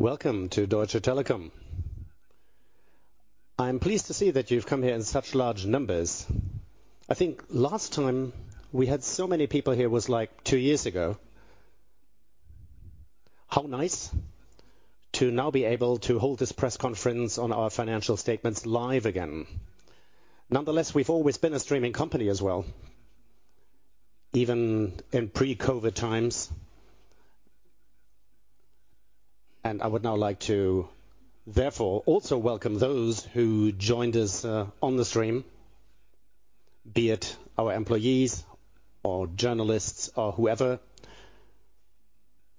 Welcome to Deutsche Telekom. I'm pleased to see that you've come here in such large numbers. I think last time we had so many people here was, like, two years ago. How nice to now be able to hold this press conference on our financial statements live again. Nonetheless, we've always been a streaming company as well, even in pre-COVID times. I would now like to, therefore, also welcome those who joined us on the stream, be it our employees or journalists or whoever.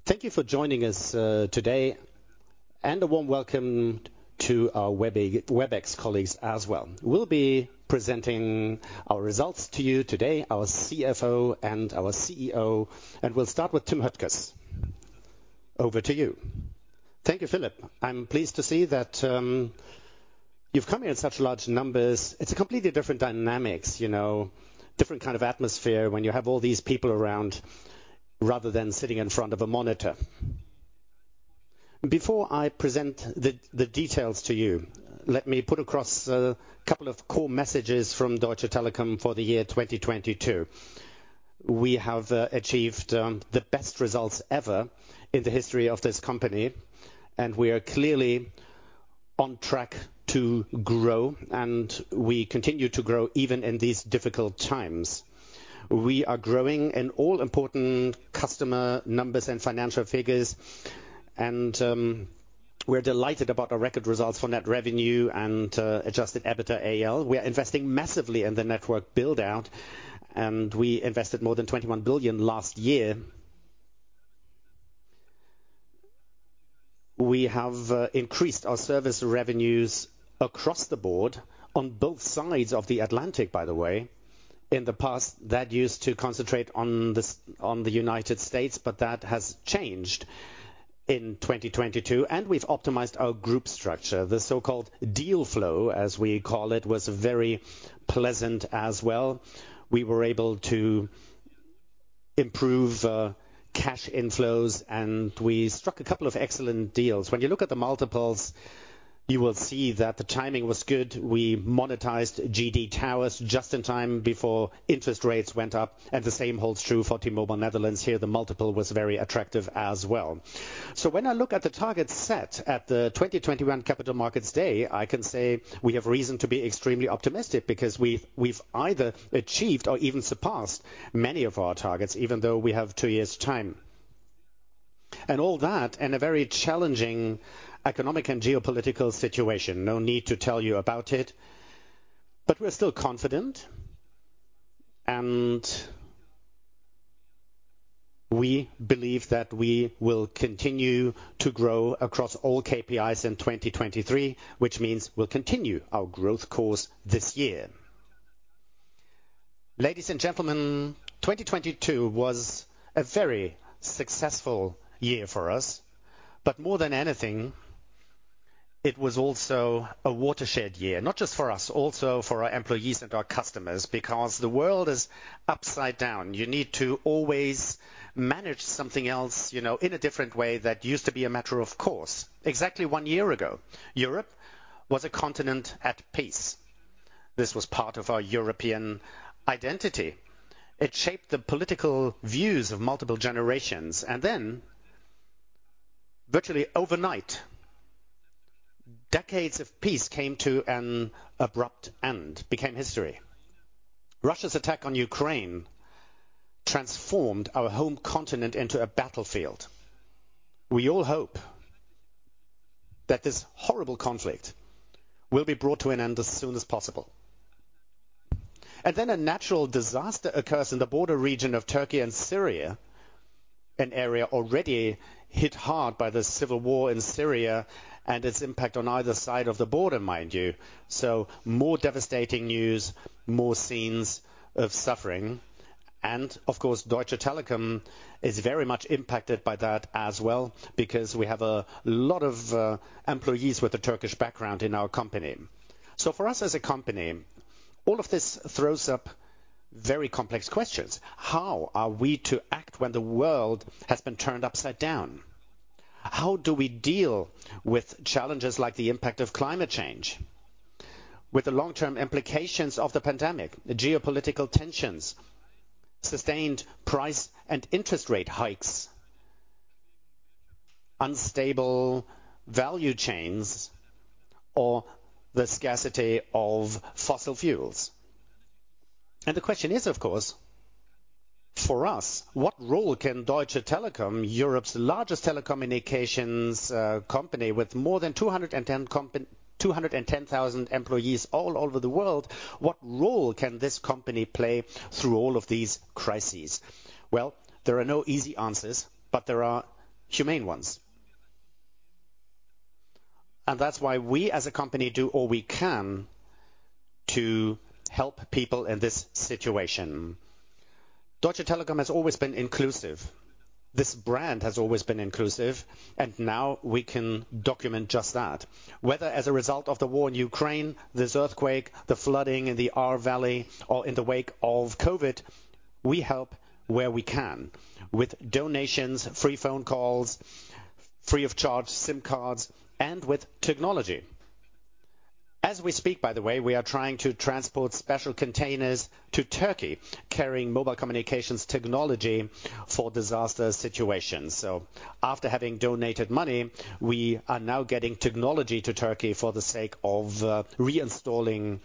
Thank you for joining us today, and a warm welcome to our Webex colleagues as well. We'll be presenting our results to you today, our CFO and our CEO, and we'll start with Tim Höttges. Over to you. Thank you, Philipp. I'm pleased to see that you've come here in such large numbers. It's a completely different dynamics, you know. Different kind of atmosphere when you have all these people around rather than sitting in front of a monitor. Before I present the details to you, let me put across a couple of core messages from Deutsche Telekom for the year 2022. We have achieved the best results ever in the history of this company, and we are clearly on track to grow, and we continue to grow even in these difficult times. We are growing in all important customer numbers and financial figures, and we're delighted about our record results from that revenue and adjusted EBITDA AL. We are investing massively in the network build-out. We invested more than 21 billion last year. We have increased our service revenues across the board on both sides of the Atlantic, by the way. In the past, that used to concentrate on the United States. That has changed in 2022. We've optimized our group structure. The so-called deal flow, as we call it, was very pleasant as well. We were able to improve cash inflows. We struck a couple of excellent deals. When you look at the multiples, you will see that the timing was good. We monetized GD Towers just in time before interest rates went up. The same holds true for T-Mobile Netherlands. Here, the multiple was very attractive as well. When I look at the target set at the 2021 Capital Markets Day, I can say we have reason to be extremely optimistic because we've either achieved or even surpassed many of our targets, even though we have two years' time. All that in a very challenging economic and geopolitical situation. No need to tell you about it, but we're still confident. We believe that we will continue to grow across all KPIs in 2023, which means we'll continue our growth course this year. Ladies and gentlemen, 2022 was a very successful year for us, but more than anything, it was also a watershed year. Not just for us, also for our employees and our customers, because the world is upside down. You need to always manage something else, you know, in a different way that used to be a matter of course. Exactly one year ago, Europe was a continent at peace. This was part of our European identity. It shaped the political views of multiple generations. Virtually overnight, decades of peace came to an abrupt end, became history. Russia's attack on Ukraine transformed our home continent into a battlefield. We all hope that this horrible conflict will be brought to an end as soon as possible. Then a natural disaster occurs in the border region of Turkey and Syria, an area already hit hard by the civil war in Syria and its impact on either side of the border, mind you. More devastating news, more scenes of suffering. Of course, Deutsche Telekom is very much impacted by that as well, because we have a lot of employees with a Turkish background in our company. For us as a company, all of this throws up very complex questions. How are we to act when the world has been turned upside down? How do we deal with challenges like the impact of climate change, with the long-term implications of the pandemic, the geopolitical tensions, sustained price and interest rate hikes, unstable value chains, or the scarcity of fossil fuels? The question is, of course, for us, what role can Deutsche Telekom, Europe's largest telecommunications company with more than 210,000 employees all over the world, what role can this company play through all of these crises? Well, there are no easy answers, but there are humane ones. That's why we as a company do all we can to help people in this situation. Deutsche Telekom has always been inclusive. This brand has always been inclusive, Now we can document just that. Whether as a result of the war in Ukraine, this earthquake, the flooding in the Ahr Valley, or in the wake of COVID. We help where we can with donations, free phone calls, free of charge SIM cards, and with technology. As we speak, by the way, we are trying to transport special containers to Turkey carrying mobile communications technology for disaster situations. After having donated money, we are now getting technology to Turkey for the sake of reinstalling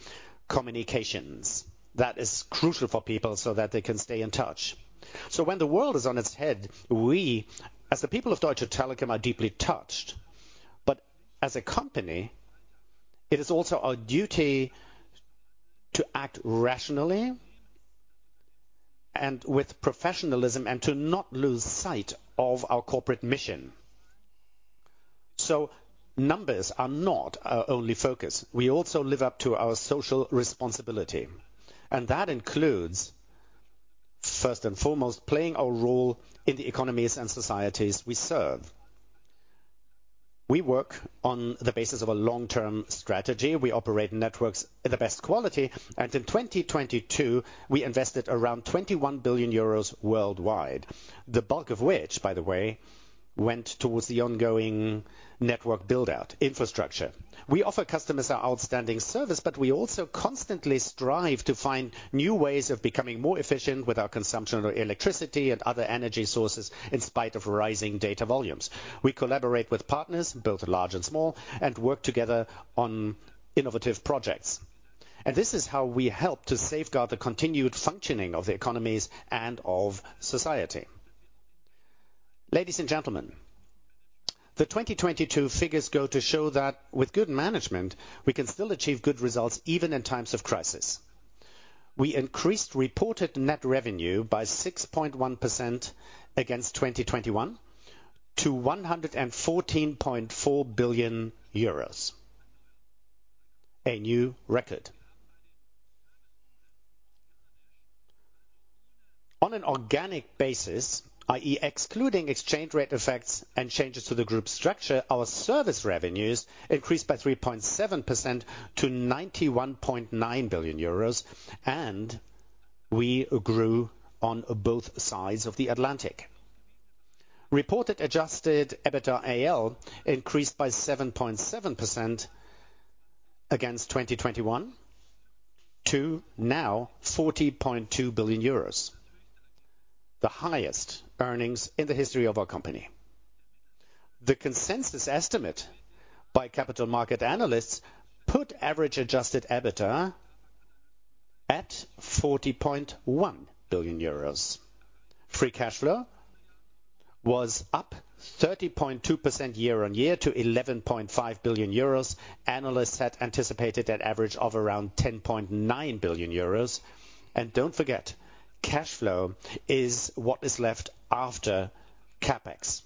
communications. That is crucial for people so that they can stay in touch. When the world is on its head, we as the people of Deutsche Telekom are deeply touched. As a company, it is also our duty to act rationally and with professionalism and to not lose sight of our corporate mission. Numbers are not our only focus. We also live up to our social responsibility, and that includes, first and foremost, playing our role in the economies and societies we serve. We work on the basis of a long-term strategy. We operate networks at the best quality, and in 2022 we invested around 21 billion euros worldwide. The bulk of which, by the way, went towards the ongoing network build out infrastructure. We offer customers our outstanding service, but we also constantly strive to find new ways of becoming more efficient with our consumption of electricity and other energy sources in spite of rising data volumes. We collaborate with partners, both large and small, and work together on innovative projects. This is how we help to safeguard the continued functioning of the economies and of society. Ladies and gentlemen, the 2022 figures go to show that with good management we can still achieve good results even in times of crisis. We increased reported net revenue by 6.1% against 2021 to 114.4 billion euros. A new record. On an organic basis, i.e, excluding exchange rate effects and changes to the group structure, our service revenues increased by 3.7% to 91.9 billion euros and we grew on both sides of the Atlantic. Reported adjusted EBITDA AL increased by 7.7% against 2021 to now 40.2 billion euros, the highest earnings in the history of our company. The consensus estimate by capital market analysts put average adjusted EBITDA at 40.1 billion euros. Free cash flow was up 30.2% year-on-year to 11.5 billion euros. Analysts had anticipated an average of around 10.9 billion euros. Don't forget, cash flow is what is left after CapEx.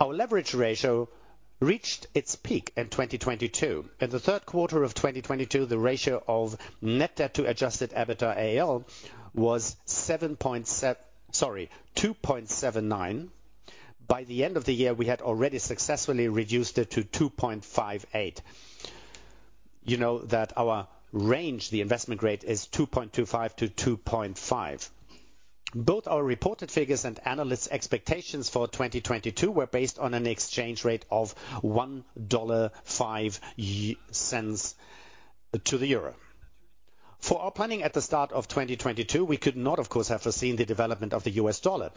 Our leverage ratio reached its peak in 2022. In the Q3 of 2022, the ratio of net debt to adjusted EBITDA AL was 2.79. By the end of the year, we had already successfully reduced it to 2.58. You know that our range, the investment rate is 2.25-2.5. Both our reported figures and analysts expectations for 2022 were based on an exchange rate of $1.05 to the euro. For our planning at the start of 2022, we could not of course have foreseen the development of the US dollar.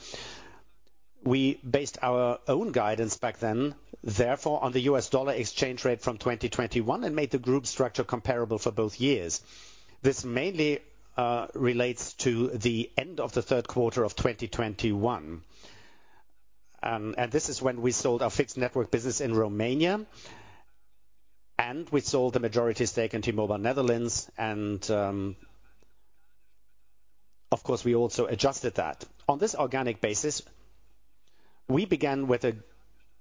We based our own guidance back then, therefore, on the U.S. dollar exchange rate from 2021 and made the group structure comparable for both years. This mainly relates to the end of the third quarter of 2021. This is when we sold our fixed network business in Romania and we sold a majority stake in T-Mobile Netherlands and, of course, we also adjusted that. On this organic basis, we began with a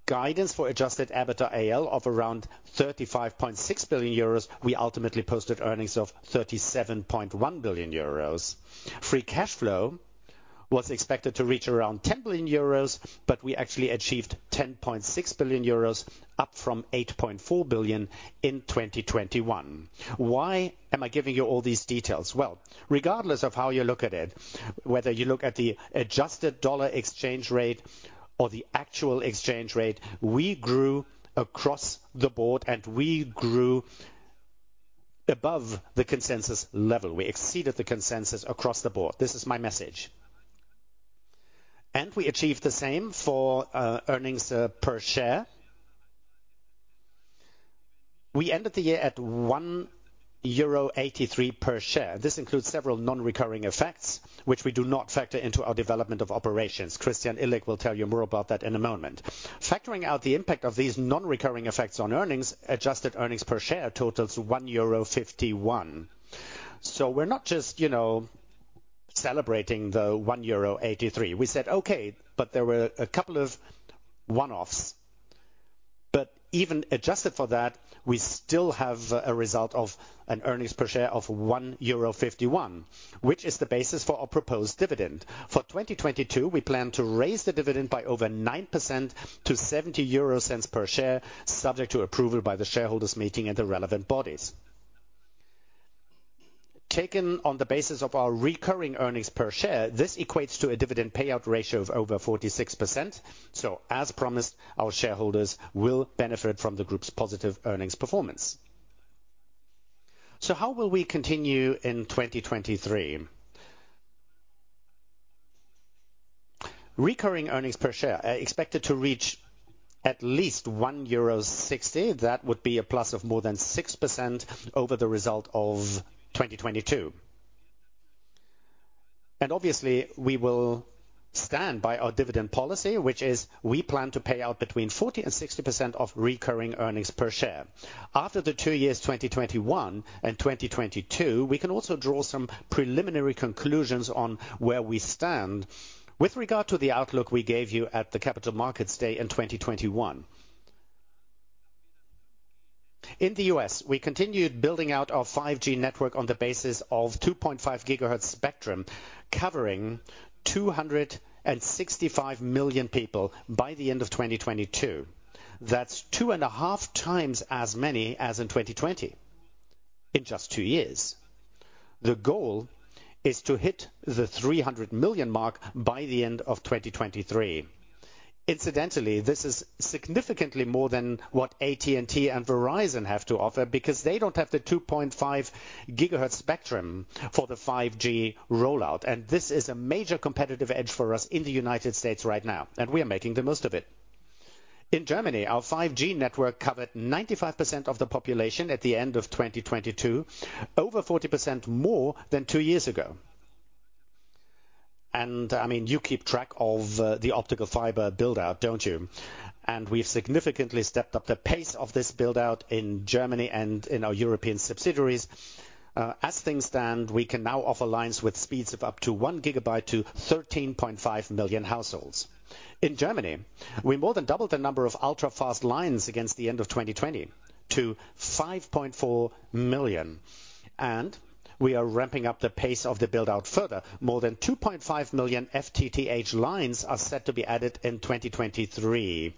guidance for adjusted EBITDA AL of around 35.6 billion euros. We ultimately posted earnings of 37.1 billion euros. Free cash flow was expected to reach around 10 billion euros but we actually achieved 10.6 billion euros, up from 8.4 billion in 2021. Why am I giving you all these details? Well, regardless of how you look at it, whether you look at the adjusted USD exchange rate or the actual exchange rate, we grew across the board and we grew above the consensus level. We exceeded the consensus across the board. This is my message. We achieved the same for earnings per share. We ended the year at 1.83 euro per share. This includes several non-recurring effects which we do not factor into our development of operations. Christian Illek will tell you more about that in a moment. Factoring out the impact of these non-recurring effects on earnings, adjusted earnings per share totals 1.51 euro. We're not just, you know, celebrating the 1.83 euro. We said, "Okay," there were a couple of one-offs. Even adjusted for that, we still have a result of an earnings per share of 1.51 euro, which is the basis for our proposed dividend. For 2022, we plan to raise the dividend by over 9% to 0.70 per share, subject to approval by the shareholders meeting and the relevant bodies. Taken on the basis of our recurring earnings per share, this equates to a dividend payout ratio of over 46%. As promised, our shareholders will benefit from the group's positive earnings performance. How will we continue in 2023? Recurring earnings per share are expected to reach at least 1.60 euro. That would be a plus of more than 6% over the result of 2022. Obviously, we will stand by our dividend policy, which is we plan to pay out between 40% and 60% of recurring earnings per share. After the two years, 2021 and 2022, we can also draw some preliminary conclusions on where we stand with regard to the outlook we gave you at the Capital Markets Day in 2021. In the U.S., we continued building out our 5G network on the basis of 2.5 GHz spectrum, covering 265 million people by the end of 2022. That's 2.5 times as many as in 2020. In just two years. The goal is to hit the 300 million mark by the end of 2023. Incidentally, this is significantly more than what AT&T and Verizon have to offer because they don't have the 2.5 GHz spectrum for the 5G rollout. This is a major competitive edge for us in the U.S. right now, and we are making the most of it. In Germany, our 5G network covered 95% of the population at the end of 2022, over 40% more than two years ago. I mean, you keep track of the optical fiber build-out, don't you? We've significantly stepped up the pace of this build-out in Germany and in our European subsidiaries. As things stand, we can now offer lines with speeds of up to 1 GB to 13,500,000 Households. In Germany, we more than doubled the number of ultra-fast lines against the end of 2020 to 5,400,000. We are ramping up the pace of the build-out further. More than 2,500,000 FTTH lines are set to be added in 2023,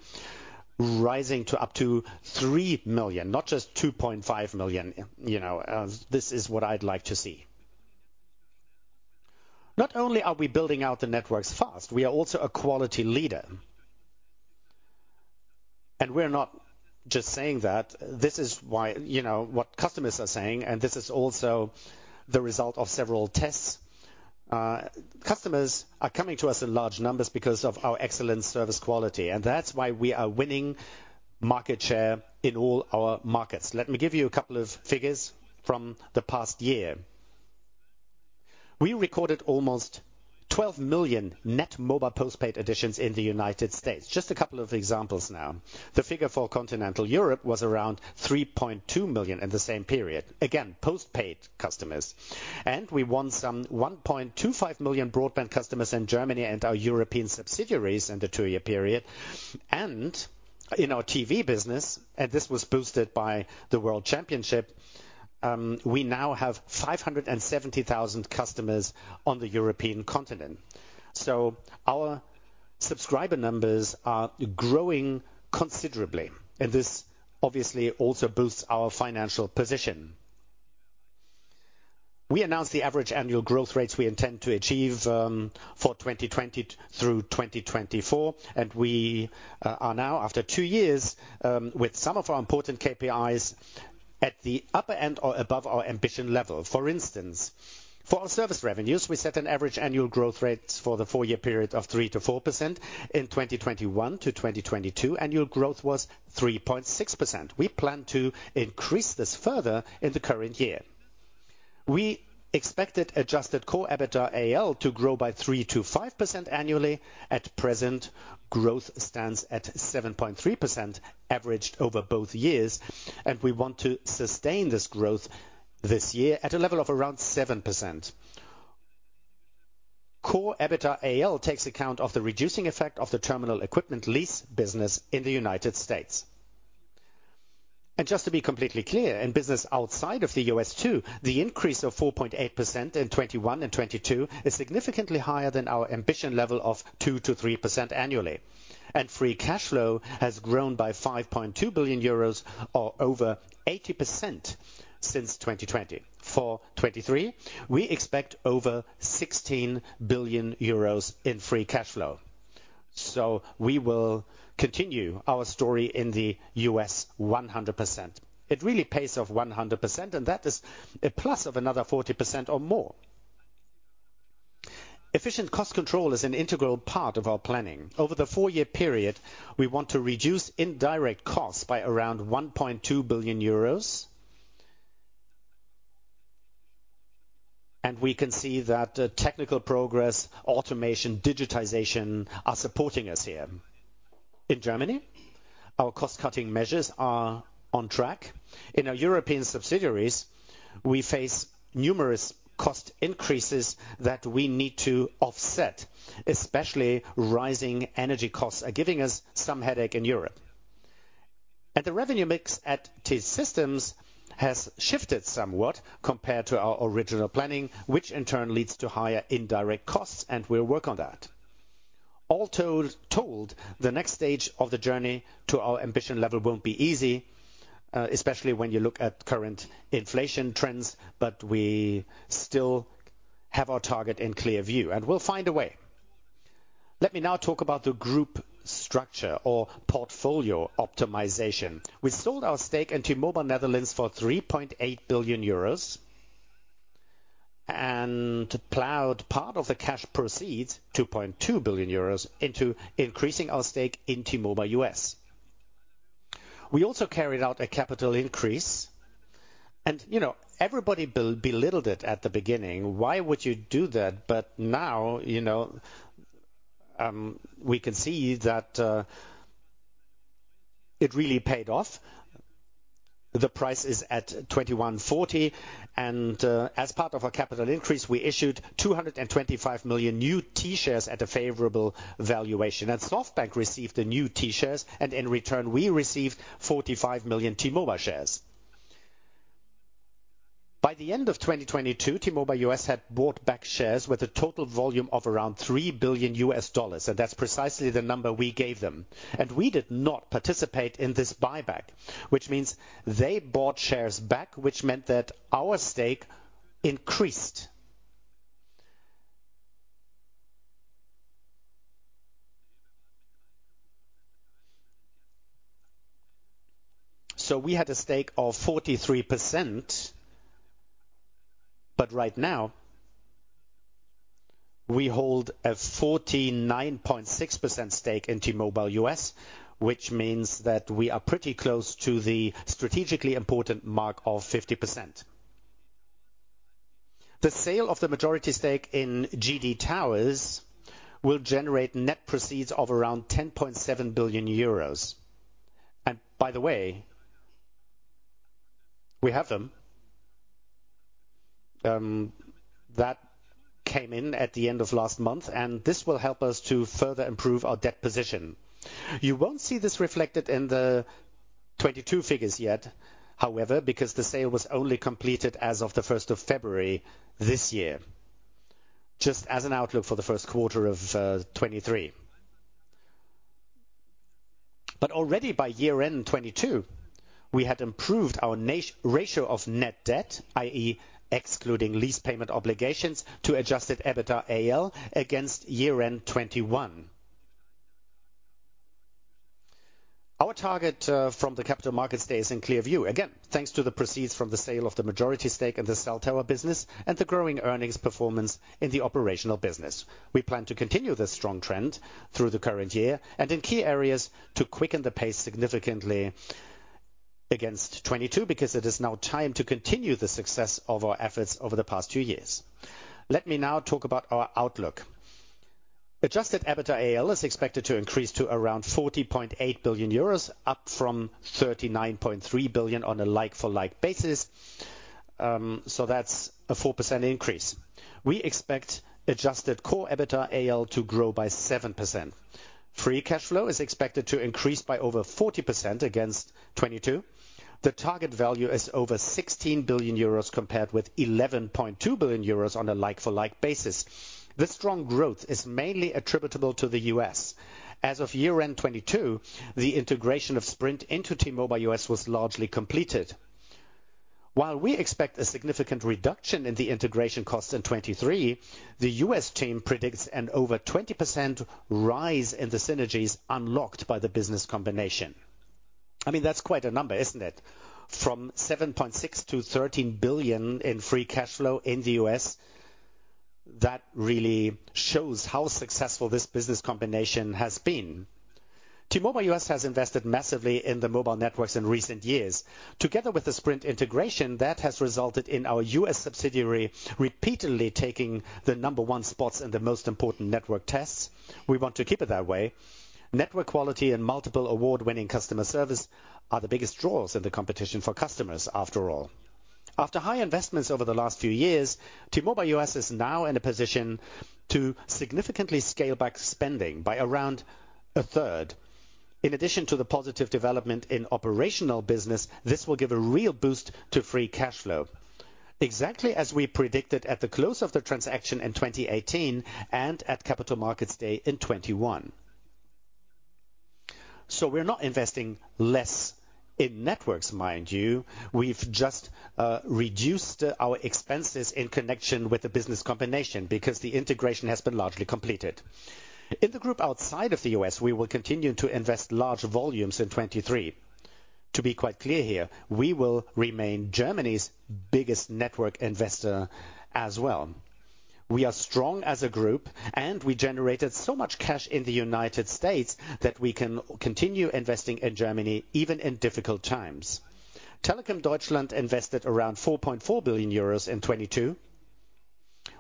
rising to up to 3,000,000 not just 2,500,000. You know, this is what I'd like to see. Not only are we building out the networks fast, we are also a quality leader. We're not just saying that. This is why, you know, what customers are saying, and this is also the result of several tests. Customers are coming to us in large numbers because of our excellent service quality, and that's why we are winning market share in all our markets. Let me give you a couple of figures from the past year. We recorded almost 12,000,000 net mobile postpaid additions in the United States. Just a couple of examples now. The figure for Continental Europe was around 3,200,000 in the same period. Again, postpaid customers. We won some 1,250,000 broadband customers in Germany and our European subsidiaries in the two-year period. In our TV business, this was boosted by the world championship, we now have 570,000 customers on the European continent. Our subscriber numbers are growing considerably, and this obviously also boosts our financial position. We announced the average annual growth rates we intend to achieve for 2020 through 2024. We are now, after two years, with some of our important KPIs at the upper end or above our ambition level. For instance, for our service revenues, we set an average annual growth rate for the four-year period of 3%-4%. In 2021 to 2022 annual growth was 3.6%. We plan to increase this further in the current year. We expected adjusted core EBITDA AL to grow by 3%-5% annually. At present, growth stands at 7.3% averaged over both years, and we want to sustain this growth this year at a level of around 7%. Core EBITDA AL takes account of the reducing effect of the terminal equipment lease business in the United States. Just to be completely clear, in business outside of the U.S. too, the increase of 4.8% in 2021 and 2022 is significantly higher than our ambition level of 2%-3% annually. Free cash flow has grown by 5.2 billion euros or over 80% since 2020. For 2023, we expect over 16 billion euros in free cash flow. We will continue our story in the U.S. 100%. It really pays off 100% and that is a plus of another 40% or more. Efficient cost control is an integral part of our planning. Over the four-year period, we want to reduce indirect costs by around 1.2 billion euros. We can see that technical progress, automation, digitization are supporting us here. In Germany, our cost-cutting measures are on track. In our European subsidiaries, we face numerous cost increases that we need to offset, especially rising energy costs are giving us some headache in Europe. The revenue mix at T-Systems has shifted somewhat compared to our original planning, which in turn leads to higher indirect costs, and we'll work on that. All told, the next stage of the journey to our ambition level won't be easy, especially when you look at current inflation trends, we still have our target in clear view, and we'll find a way. Let me now talk about the group structure or portfolio optimization. We sold our stake into T-Mobile Netherlands for 3.8 billion euros and plowed part of the cash proceeds, 2.2 billion euros, into increasing our stake in T-Mobile US We also carried out a capital increase and, you know, everybody belittled it at the beginning. Why would you do that? Now, you know, we can see that it really paid off. The price is at 21.40, as part of our capital increase, we issued 225 million new T-Shares at a favorable valuation. SoftBank received the new T-Shares and in return, we received 45 million T-Mobile shares. By the end of 2022, T-Mobile US had bought back shares with a total volume of around $3 billion, and that's precisely the number we gave them. We did not participate in this buyback, which means they bought shares back, which meant that our stake increased. We had a stake of 43%, but right now we hold a 49.6% stake in T-Mobile US, which means that we are pretty close to the strategically important mark of 50%. The sale of the majority stake in GD Towers will generate net proceeds of around 10.7 billion euros. By the way, we have them. That came in at the end of last month, and this will help us to further improve our debt position. You won't see this reflected in the 2022 figures yet, however, because the sale was only completed as of the 1st of February this year. Just as an outlook for the Q1 of 2023. Already by year-end 2022, we had improved our ratio of net debt, i.e. excluding lease payment obligations to adjusted EBITDA AL against year-end 2021. Our target from the Capital Markets Day is in clear view. Again, thanks to the proceeds from the sale of the majority stake in the cell tower business and the growing earnings performance in the operational business. We plan to continue this strong trend through the current year and in key areas to quicken the pace significantly against 2022 because it is now time to continue the success of our efforts over the past two years. Let me now talk about our outlook. Adjusted EBITDA AL is expected to increase to around 40.8 billion euros, up from 39.3 billion on a like-for-like basis. That's a 4% increase. We expect adjusted core EBITDA AL to grow by 7%. Free cash flow is expected to increase by over 40% against 2022. The target value is over 16 billion euros compared with 11.2 billion euros on a like-for-like basis. This strong growth is mainly attributable to the U.S. As of year-end 2022, the integration of Sprint into T-Mobile US was largely completed. While we expect a significant reduction in the integration costs in 2023, the U.S. team predicts an over 20% rise in the synergies unlocked by the business combination. I mean, that's quite a number, isn't it? From $7.6 billion-$13 billion in Free Cash Flow in the U.S. That really shows how successful this business combination has been. T-Mobile US has invested massively in the mobile networks in recent years. Together with the Sprint integration, that has resulted in our U.S. subsidiary repeatedly taking the number one spots in the most important network tests. We want to keep it that way. Network quality and multiple award-winning customer service are the biggest draws in the competition for customers, after all. After high investments over the last few years, T-Mobile US is now in a position to significantly scale back spending by around a third. In addition to the positive development in operational business, this will give a real boost to free cash flow. Exactly as we predicted at the close of the transaction in 2018 and at Capital Markets Day in 2021. We're not investing less in networks, mind you. We've just reduced our expenses in connection with the business combination because the integration has been largely completed. In the group outside of the U.S., we will continue to invest large volumes in 2023. To be quite clear here, we will remain Germany's biggest network investor as well. We are strong as a group, we generated so much cash in the United States that we can continue investing in Germany even in difficult times. Telekom Deutschland invested around 4.4 billion euros in 2022,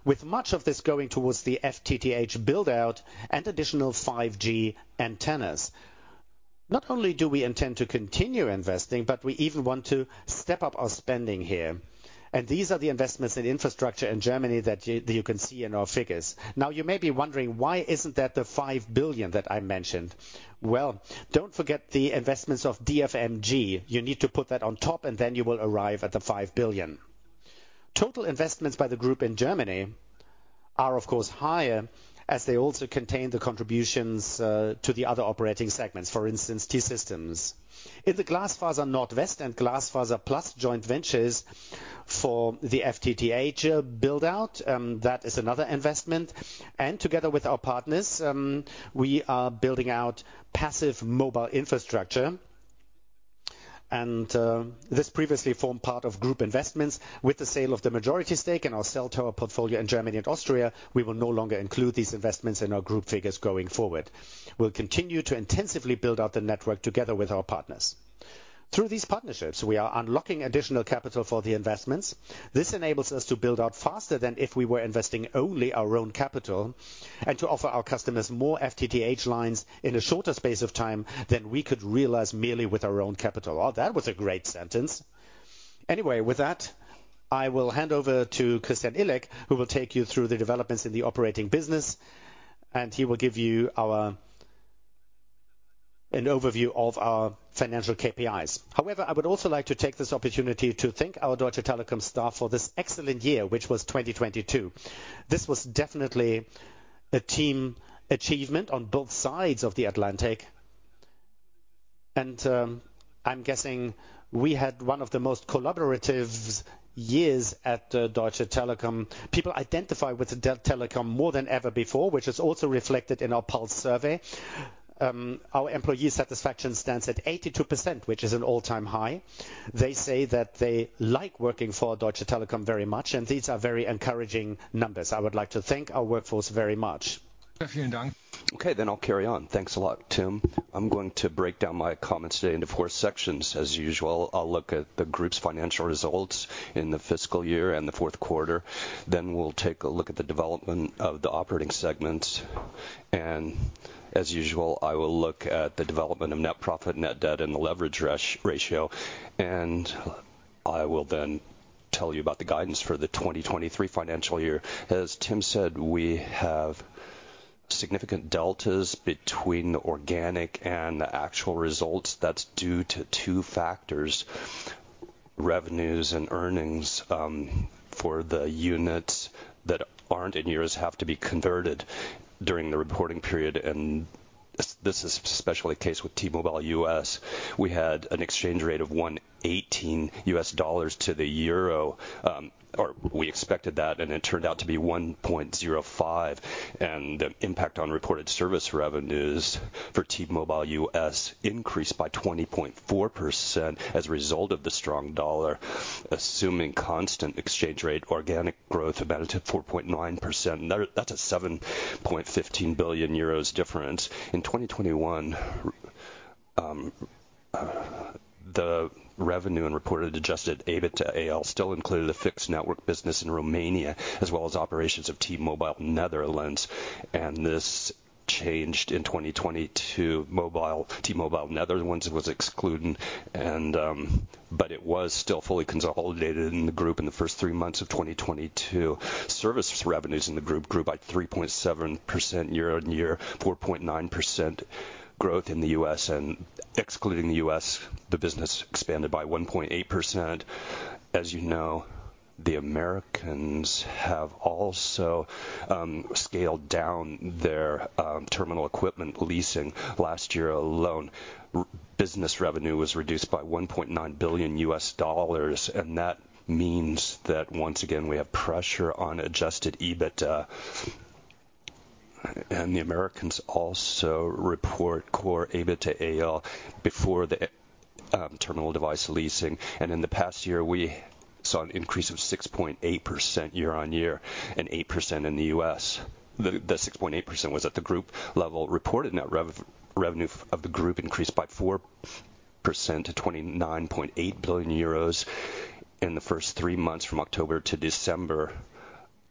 with much of this going towards the FTTH build out and additional 5G antennas. Not only do we intend to continue investing, but we even want to step up our spending here. These are the investments in infrastructure in Germany that you can see in our figures. Now, you may be wondering why isn't that the 5 billion that I mentioned? Well, don't forget the investments of DFMG. You need to put that on top and then you will arrive at the 5 billion. Total investments by the group in Germany are, of course, higher as they also contain the contributions to the other operating segments, for instance, T-Systems. In the Glasfaser Nordwest and GlasfaserPlus joint ventures for the FTTH build out, that is another investment. Together with our partners, we are building out passive mobile infrastructure. This previously formed part of group investments with the sale of the majority stake in our cell tower portfolio in Germany and Austria. We will no longer include these investments in our group figures going forward. We'll continue to intensively build out the network together with our partners. Through these partnerships, we are unlocking additional capital for the investments. This enables us to build out faster than if we were investing only our own capital and to offer our customers more FTTH lines in a shorter space of time than we could realize merely with our own capital. Oh, that was a great sentence. Anyway, with that, I will hand over to Christian Illek, who will take you through the developments in the operating business, and he will give you an overview of our financial KPIs. I would also like to take this opportunity to thank our Deutsche Telekom staff for this excellent year, which was 2022. This was definitely a team achievement on both sides of the Atlantic. I'm guessing we had one of the most collaborative years at Deutsche Telekom. People identify with Deutsche Telekom more than ever before, which is also reflected in our pulse survey. Our employee satisfaction stands at 82%, which is an all-time high. They say that they like working for Deutsche Telekom very much, and these are very encouraging numbers. I would like to thank our workforce very much. Okay, I'll carry on. Thanks a lot, Tim. I'm going to break down my comments today into four sections. As usual, I'll look at the group's financial results in the fiscal year and the Q4. We'll take a look at the development of the operating segments. As usual, I will look at the development of net profit, net debt, and the leverage ratio. I will then tell you about the guidance for the 2023 financial year. As Tim said, we have significant deltas between the organic and the actual results. That's due to two factors. Revenues and earnings for the units that aren't in euros have to be converted during the reporting period. This is especially the case with T-Mobile US. We had an exchange rate of $1.18 to the euro, or we expected that. It turned out to be 1.05. The impact on reported service revenues for T-Mobile US increased by 20.4% as a result of the strong dollar. Assuming constant exchange rate, organic growth amounted to 4.9%. That's a 7.15 billion euros difference. In 2021, the revenue and reported adjusted EBITDA AL still included a fixed network business in Romania, as well as operations of T-Mobile Netherlands. This changed in 2022. T-Mobile Netherlands was excluded. It was still fully consolidated in the group in the first three months of 2022. Service revenues in the group grew by 3.7% year-on-year. 4.9% growth in the U.S., excluding the U.S., the business expanded by 1.8%. As you know, the Americans have also scaled down their terminal equipment leasing. Last year alone, business revenue was reduced by $1.9 billion, that means that once again, we have pressure on adjusted EBITDA. The Americans also report core EBITDA AL before the terminal device leasing. In the past year, we saw an increase of 6.8% year-on-year and 8% in the US. The 6.8% was at the group level. Reported net revenue of the group increased by 4% to 29.8 billion euros in the first three months from October to December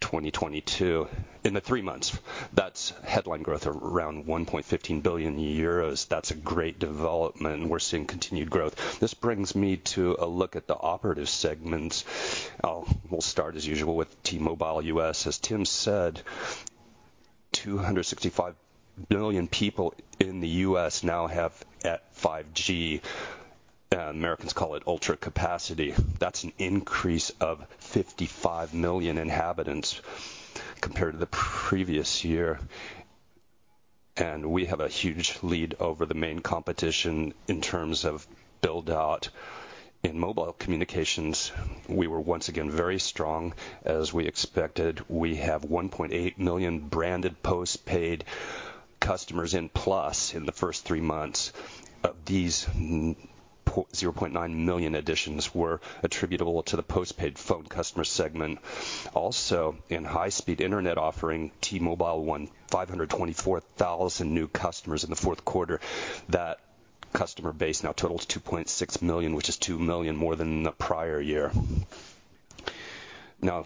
2022. In the three months, that's headline growth around 1.15 billion euros. That's a great development. We're seeing continued growth. This brings me to a look at the operative segments. We'll start as usual with T-Mobile US. As Tim said, 265,000,000,000 people in the U.S. now have 5G. Americans call it Ultra Capacity. That's an increase of 55,000,000 inhabitants compared to the previous year. We have a huge lead over the main competition in terms of build out. In mobile communications, we were once again very strong. As we expected, we have 1,800,000 branded postpaid customers in Plus in the first three months. Of these, 0.900,000 additions were attributable to the postpaid phone customer segment. Also, in high-speed internet offering, T-Mobile won 524,000 new customers in the Q4. That customer base now totals 2,600,000, which is 2,000,000 more than the prior year.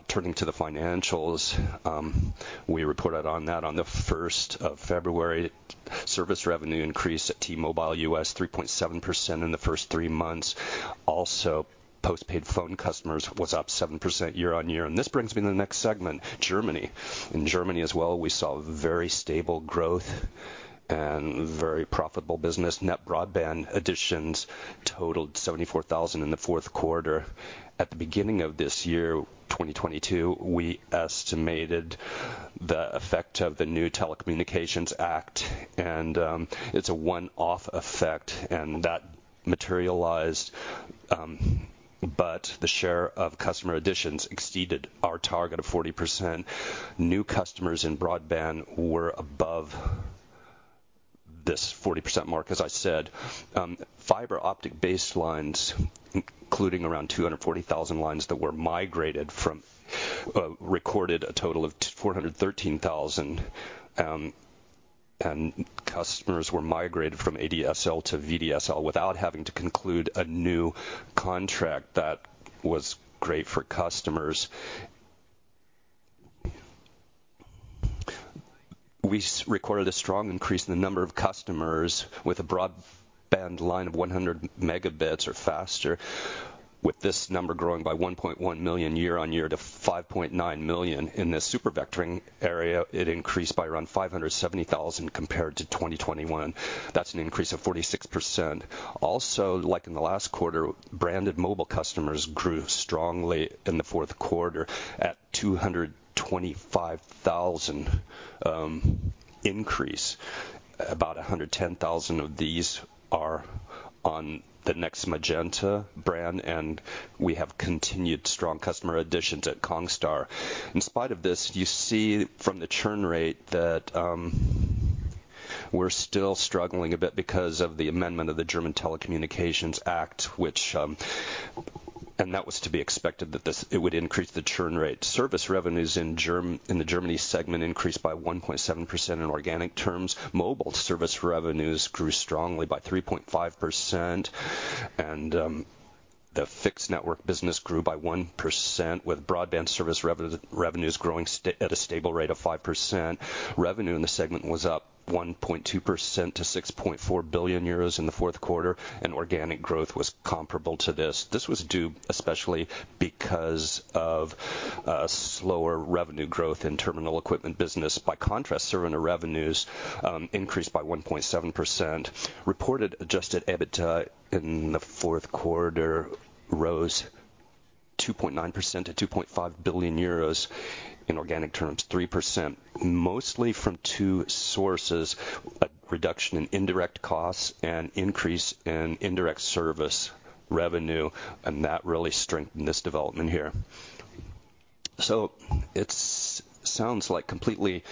Turning to the financials, we reported on that on the 1st of February. Service revenue increased at T-Mobile US 3.7% in the first three months. Postpaid phone customers was up 7% year-over-year. This brings me to the next segment, Germany. In Germany as well, we saw very stable growth. Very profitable business. Net broadband additions totaled 74,000 in the Q4. At the beginning of this year, 2022, we estimated the effect of the new Telecommunications Act, and it's a one-off effect, and that materialized. The share of customer additions exceeded our target of 40%. New customers in broadband were above this 40% mark, as I said. Fiber optic baselines, including around 240,000 lines that were migrated recorded a total of 413,000. Customers were migrated from ADSL to VDSL without having to conclude a new contract. That was great for customers. We recorded a strong increase in the number of customers with a broadband line of 100 megabits or faster, with this number growing by 1,100,000 year-on-year to 5,900,000. In the Super Vectoring area, it increased by around 570,000 compared to 2021. That's an increase of 46%. Also, like in the last quarter, branded mobile customers grew strongly in the Q4 at 225,000 increase. About 110,000 of these are on the next Magenta brand. We have continued strong customer additions at Congstar. In spite of this, you see from the churn rate that we're still struggling a bit because of the amendment of the German Telecommunications Act, which. That was to be expected that it would increase the churn rate. Service revenues in the Germany segment increased by 1.7% in organic terms. Mobile service revenues grew strongly by 3.5%. The fixed network business grew by 1%, with broadband service revenues growing at a stable rate of 5%. Revenue in the segment was up 1.2% to 6.4 billion euros in the Q4. Organic growth was comparable to this. This was due especially because of slower revenue growth in terminal equipment business. By contrast, service revenues increased by 1.7%. Reported adjusted EBITDA in the Q4 rose 2.9% to 2.5 billion euros. In organic terms, 3%. Mostly from two sources: a reduction in indirect costs and increase in indirect service revenue, that really strengthened this development here. It sounds, like, completely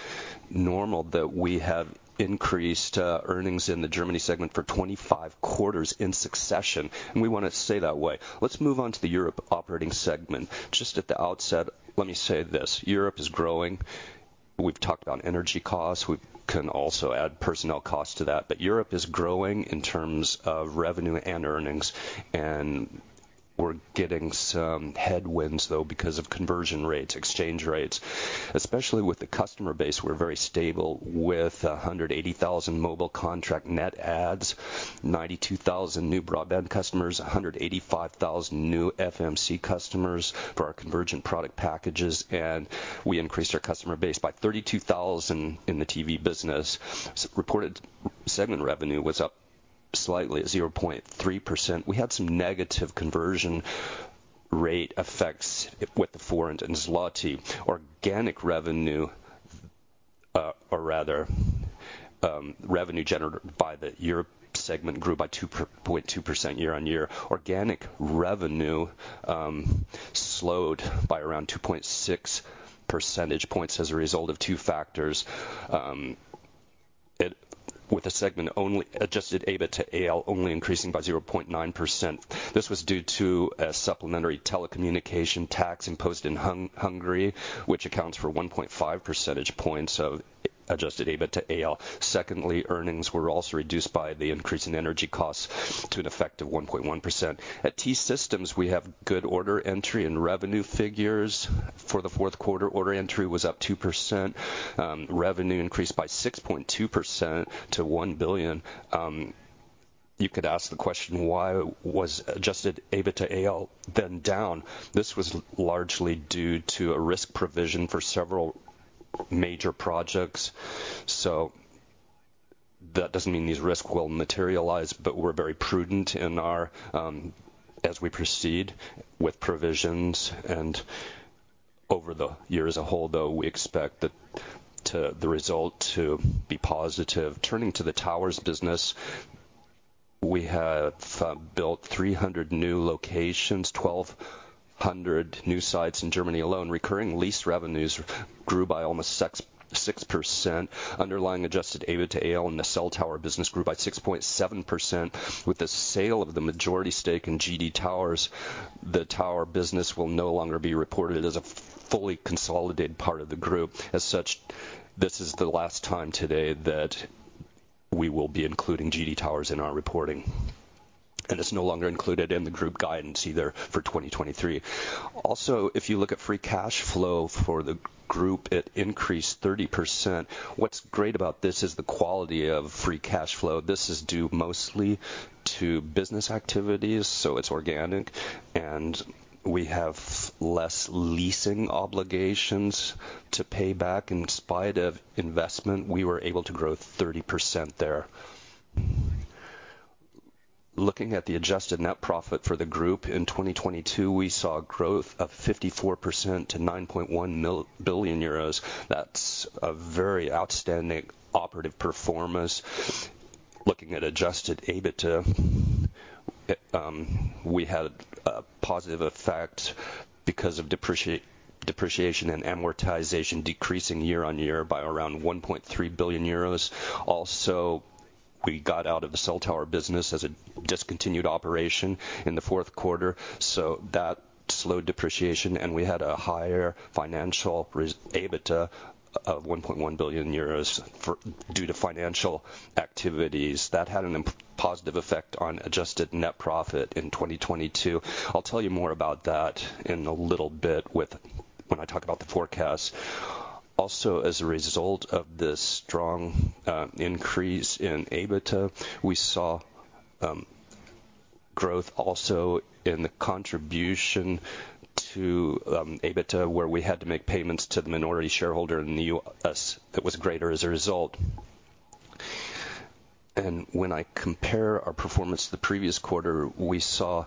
normal that we have increased earnings in the Germany segment for 25 quarters in succession, we want to stay that way. Let's move on to the Europe operating segment. Just at the outset, let me say this: Europe is growing. We've talked about energy costs. We can also add personnel costs to that. Europe is growing in terms of revenue and earnings. We're getting some headwinds, though, because of conversion rates, exchange rates. Especially with the customer base, we're very stable with 180,000 mobile contract net adds, 92,000 new broadband customers, 185,000 new FMC customers for our convergent product packages. We increased our customer base by 32,000 in the TV business. Reported segment revenue was up slightly at 0.3%. We had some negative conversion rate effects with the foreign and złoty. Organic revenue, or rather, revenue generated by the Europe segment grew by 0.2% year-on-year. Organic revenue slowed by around 2.6 percentage points as a result of two factors. With the segment only adjusted EBITDA AL only increasing by 0.9%. This was due to a supplementary telecommunication tax imposed in Hungary, which accounts for 1.5 percentage points of adjusted EBITDA AL. Secondly, earnings were also reduced by the increase in energy costs to an effect of 1.1%. At T-Systems, we have good order entry and revenue figures. For the Q4, order entry was up 2%. Revenue increased by 6.2% to 1 billion. You could ask the question, why was adjusted EBITDA AL then down? This was largely due to a risk provision for several major projects. That doesn't mean these risks will materialize, but we're very prudent in our as we proceed with provisions. Over the year as a whole, though, we expect the result to be positive. Turning to the towers business, we have built 300 new locations, 1,200 new sites in Germany alone. Recurring lease revenues grew by almost 6%. Underlying adjusted EBITDA AL in the cell tower business grew by 6.7%. With the sale of the majority stake in GD Towers, the tower business will no longer be reported as a fully consolidated part of the group. As such, this is the last time today that we will be including GD Towers in our reporting. It's no longer included in the group guidance either for 2023. If you look at free cash flow for the group, it increased 30%. What's great about this is the quality of free cash flow. This is due mostly to business activities, so it's organic, and we have less leasing obligations to pay back. In spite of investment, we were able to grow 30% there. Looking at the adjusted net profit for the group in 2022, we saw growth of 54% to 9.1 billion euros. That's a very outstanding operative performance. Looking at adjusted EBITA, we had a positive effect because of depreciation and amortization decreasing year-over-year by around 1.3 billion euros. Also, we got out of the cell tower business as a discontinued operation in the Q4, so that slowed depreciation, and we had a higher financial EBITA of 1.1 billion euros due to financial activities. That had a positive effect on adjusted net profit in 2022. I'll tell you more about that in a little bit when I talk about the forecast. Also, as a result of the strong increase in EBITA, we saw growth also in the contribution to EBITA, where we had to make payments to the minority shareholder in the U.S. that was greater as a result. When I compare our performance to the previous quarter, we saw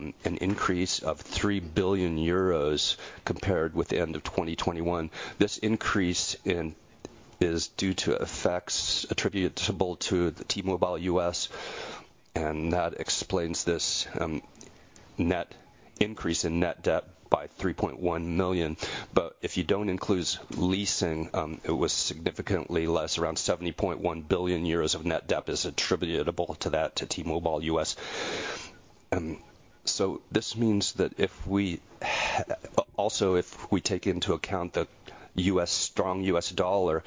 an increase of 3 billion euros compared with the end of 2021. This increase is due to effects attributable to the T-Mobile US, and that explains this net increase in net debt by 3.1 million. If you don't include leasing, it was significantly less. Around 70.1 billion euros of net debt is attributable to that, to T-Mobile US. This means that Also, if we take into account the U.S., strong U.S. dollar,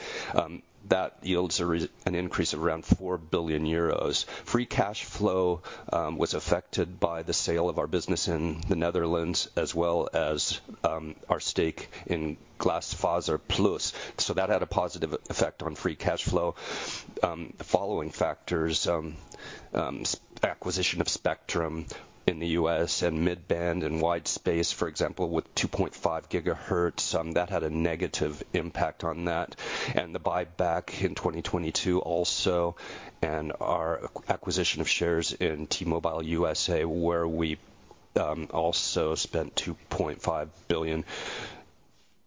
that yields an increase of around 4 billion euros. Free cash flow was affected by the sale of our business in the Netherlands as well as our stake in GlasfaserPlus. That had a positive effect on free cash flow. The following factors, acquisition of spectrum in the U.S. and mid-band and white space, for example, with 2.5 GHz, that had a negative impact on that. The buyback in 2022 also, and our acquisition of shares in T-Mobile US, where we also spent 2.5 billion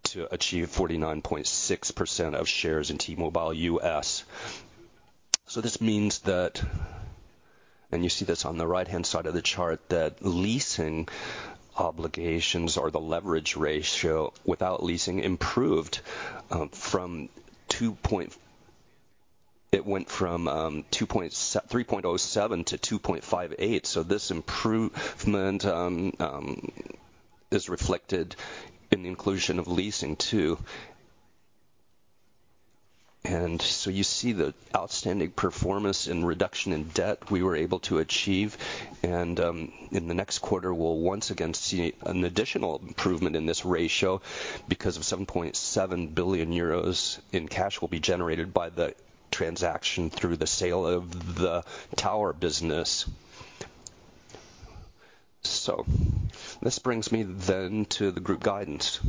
to achieve 49.6% of shares in T-Mobile US. This means that, and you see this on the right-hand side of the chart, that leasing obligations or the leverage ratio without leasing improved from 3.07 to 2.58. This improvement is reflected in the inclusion of leasing too. You see the outstanding performance in reduction in debt we were able to achieve. In the next quarter, we'll once again see an additional improvement in this ratio because 7.7 billion euros in cash will be generated by the transaction through the sale of the tower business. This brings me to the group guidance.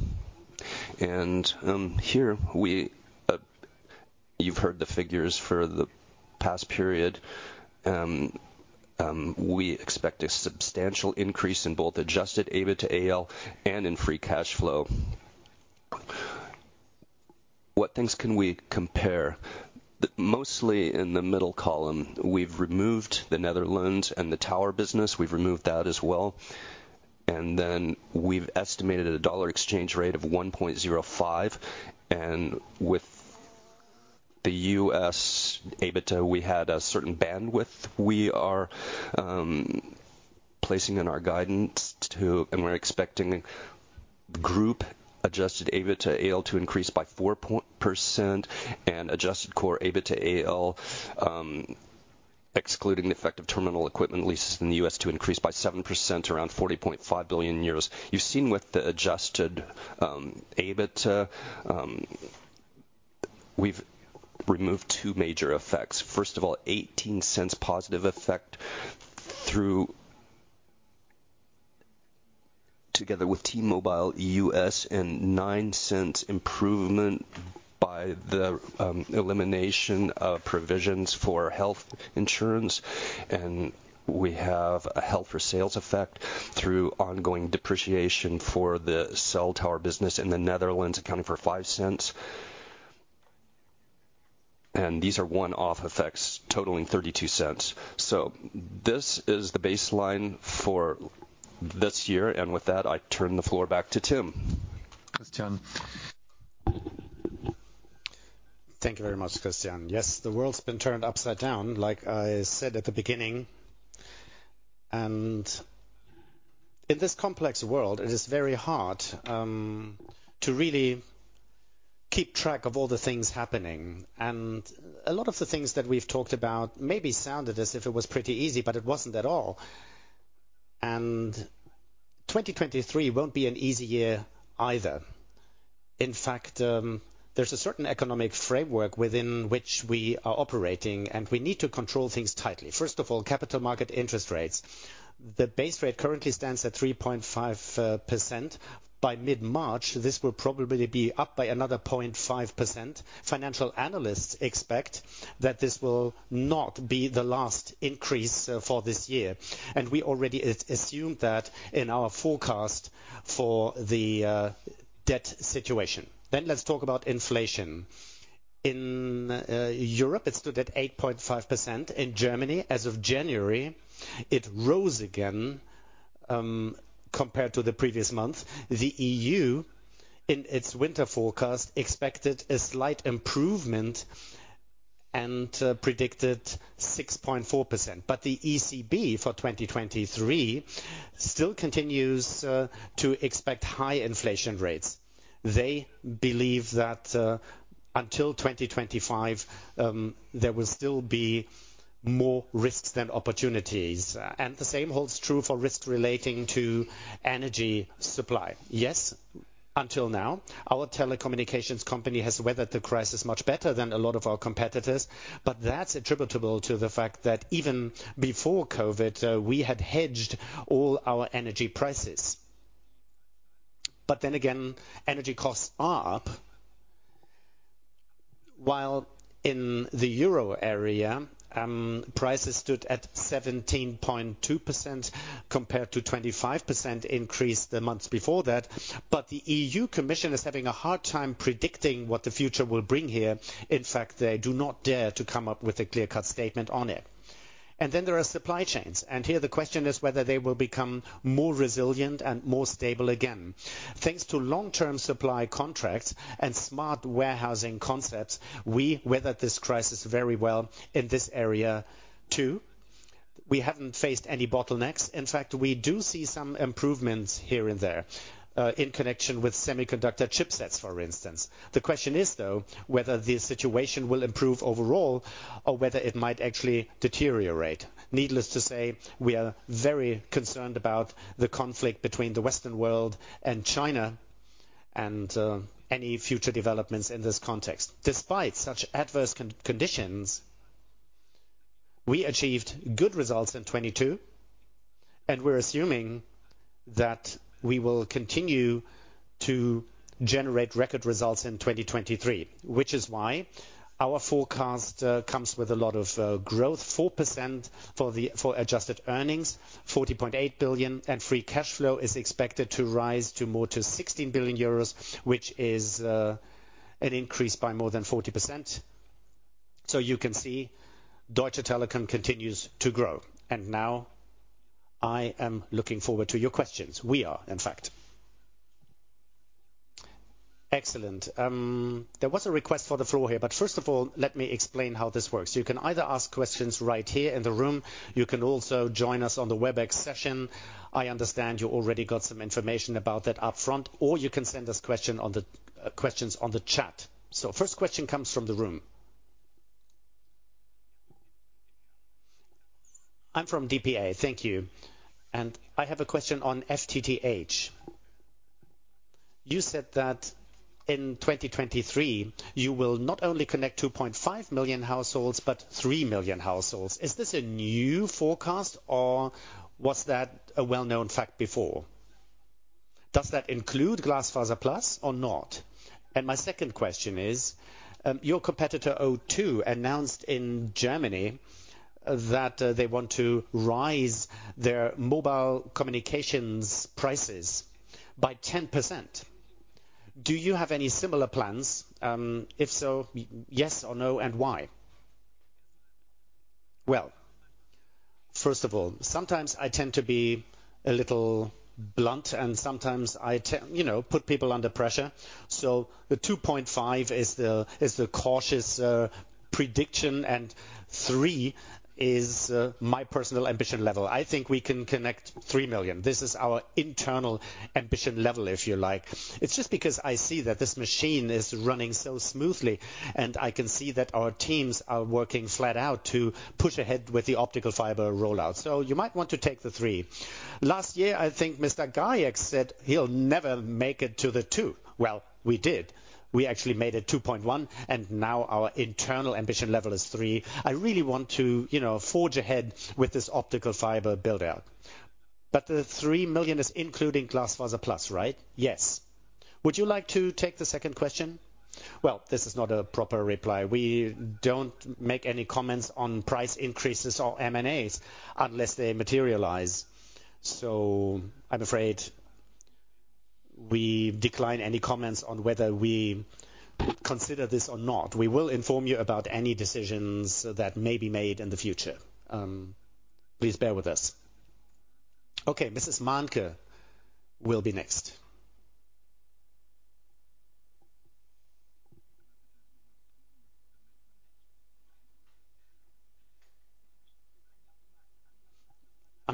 Here you've heard the figures for the past period. We expect a substantial increase in both adjusted EBITDA AL and in free cash flow. What things can we compare? Mostly in the middle column, we've removed the Netherlands and the tower business. We've removed that as well. Then we've estimated a dollar exchange rate of 1.05. With the U.S. EBITDA, we had a certain bandwidth. We are placing in our guidance to, and we're expecting group adjusted EBITDA AL to increase by 4% and adjusted core EBITDA AL, excluding the effect of terminal equipment leases in the U.S. to increase by 7%, around 40.5 billion. You've seen with the adjusted EBITDA, we've removed two major effects. First of all 0.18 positive effect through together with T-Mobile US and 0.09 improvement by the elimination of provisions for health insurance. We have a health for sales effect through ongoing depreciation for the cell tower business in the Netherlands accounting for 0.05. These are one-off effects totaling 0.32. This is the baseline for this year. With that, I turn the floor back to Tim. Christian. Thank you very much, Christian. Yes, the world's been turned upside down, like I said at the beginning. In this complex world, it is very hard to really keep track of all the things happening. A lot of the things that we've talked about maybe sounded as if it was pretty easy, but it wasn't at all. 2023 won't be an easy year either. In fact, there's a certain economic framework within which we are operating, and we need to control things tightly. First of all, capital market interest rates. The base rate currently stands at 3.5%. By mid-March, this will probably be up by another 0.5%. Financial analysts expect that this will not be the last increase for this year, and we already assume that in our forecast for the debt situation. Let's talk about inflation. In Europe, it stood at 8.5%. In Germany, as of January, it rose again compared to the previous month. The EU, in its winter forecast, expected a slight improvement and predicted 6.4%. The ECB for 2023 still continues to expect high inflation rates. They believe that until 2025, there will still be more risks than opportunities. The same holds true for risks relating to energy supply. Yes, until now, our telecommunications company has weathered the crisis much better than a lot of our competitors, but that's attributable to the fact that even before COVID, we had hedged all our energy prices. Energy costs are up. While in the Euro area, prices stood at 17.2% compared to 25% increase the months before that. The EU Commission is having a hard time predicting what the future will bring here. In fact, they do not dare to come up with a clear-cut statement on it. There are supply chains, and here the question is whether they will become more resilient and more stable again. Thanks to long-term supply contracts and smart warehousing concepts, we weathered this crisis very well in this area too. We haven't faced any bottlenecks. In fact, we do see some improvements here and there, in connection with semiconductor chipsets, for instance. The question is, though, whether the situation will improve overall or whether it might actually deteriorate. Needless to say, we are very concerned about the conflict between the Western world and China and any future developments in this context. Despite such adverse conditions, we achieved good results in 22, and we're assuming that we will continue to generate record results in 2023. Our forecast comes with a lot of growth, 4% for the, for adjusted earnings, 40.8 billion. Free cash flow is expected to rise to more to 16 billion euros, which is an increase by more than 40%. You can see Deutsche Telekom continues to grow. Now I am looking forward to your questions. We are, in fact. Excellent. There was a request for the floor here, first of all, let me explain how this works. You can either ask questions right here in the room. You can also join us on the Webex session. I understand you already got some information about that up front. You can send us questions on the chat. First question comes from the room. I'm from dpa. Thank you. I have a question on FTTH. You said that in 2023, you will not only connect 2.5 million households, but 3,000,000 Households. Is this a new forecast or was that a well-known fact before? Does that include GlasfaserPlus or not? My second question is, your competitor O2 announced in Germany that they want to rise their mobile communications prices by 10%. Do you have any similar plans? If so, yes or no, and why? Well, first of all, sometimes I tend to be a little blunt, and sometimes I, you know, put people under pressure. The 2.5 is the, is the cautious prediction, and three is my personal ambition level. I think we can connect 3,000,000. This is our internal ambition level, if you like. It's just because I see that this machine is running so smoothly, and I can see that our teams are working flat out to push ahead with the optical fiber rollout. You might want to take the three. Last year, I think Mr. Gayek said he'll never make it to the two. Well, we did. We actually made it 2.1, and now our internal ambition level is three. I really want to, you know, forge ahead with this optical fiber build-out. The 3,000,000 is including GlasfaserPlus, right? Yes. Would you like to take the second question? Well, this is not a proper reply. We don't make any comments on price increases or MNAs unless they materialize. I'm afraid we decline any comments on whether we consider this or not. We will inform you about any decisions that may be made in the future. Please bear with us. Okay, Mrs. Manneke will be next.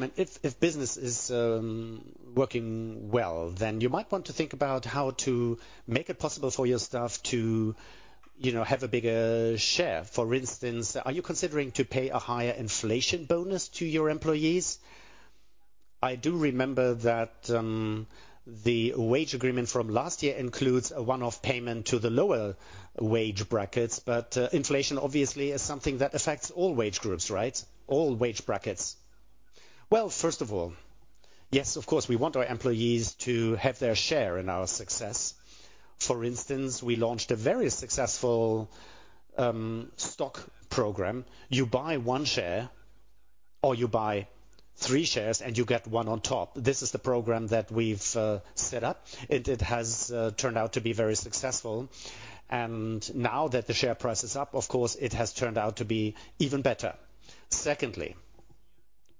I mean, if business is working well, then you might want to think about how to make it possible for your staff to, you know, have a bigger share. For instance, are you considering to pay a higher inflation bonus to your employees? I do remember that the wage agreement from last year includes a one-off payment to the lower wage brackets. Inflation obviously is something that affects all wage groups, right? All wage brackets. First of all, yes, of course, we want our employees to have their share in our success. For instance, we launched a very successful stock program. You buy one share or you buy three shares and you get one on top. This is the program that we've set up, and it has turned out to be very successful. Now that the share price is up, of course, it has turned out to be even better.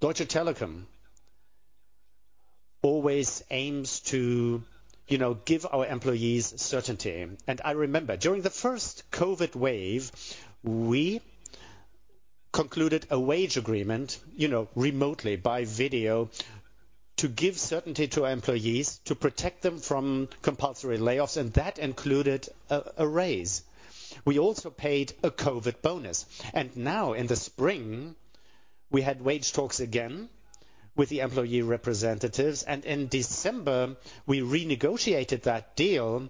Secondly, Deutsche Telekom always aims to, you know, give our employees certainty. I remember during the first COVID wave, we concluded a wage agreement, you know, remotely by video, to give certainty to our employees to protect them from compulsory layoffs, and that included a raise. We also paid a COVID bonus. Now in the spring, we had wage talks again with the employee representatives, and in December, we renegotiated that deal,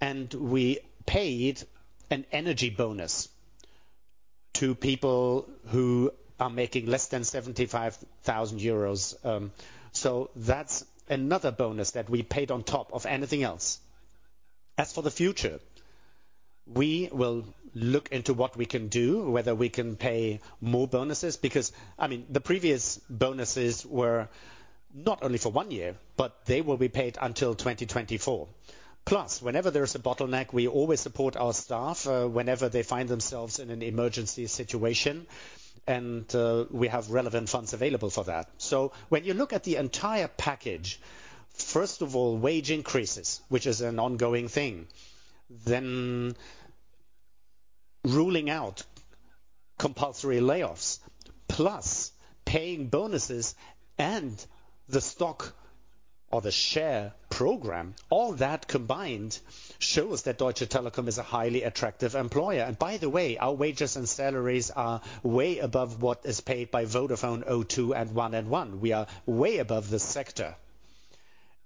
and we paid an energy bonus to people who are making less than 75,000 euros. That's another bonus that we paid on top of anything else. As for the future, we will look into what we can do, whether we can pay more bonuses, because, I mean, the previous bonuses were not only for one year, but they will be paid until 2024. Whenever there is a bottleneck, we always support our staff whenever they find themselves in an emergency situation, we have relevant funds available for that. When you look at the entire package, first of all, wage increases, which is an ongoing thing, then ruling out compulsory layoffs, plus paying bonuses and the stock or the share program. All that combined shows that Deutsche Telekom is a highly attractive employer. By the way, our wages and salaries are way above what is paid by Vodafone, O2, and 1&1. We are way above this sector.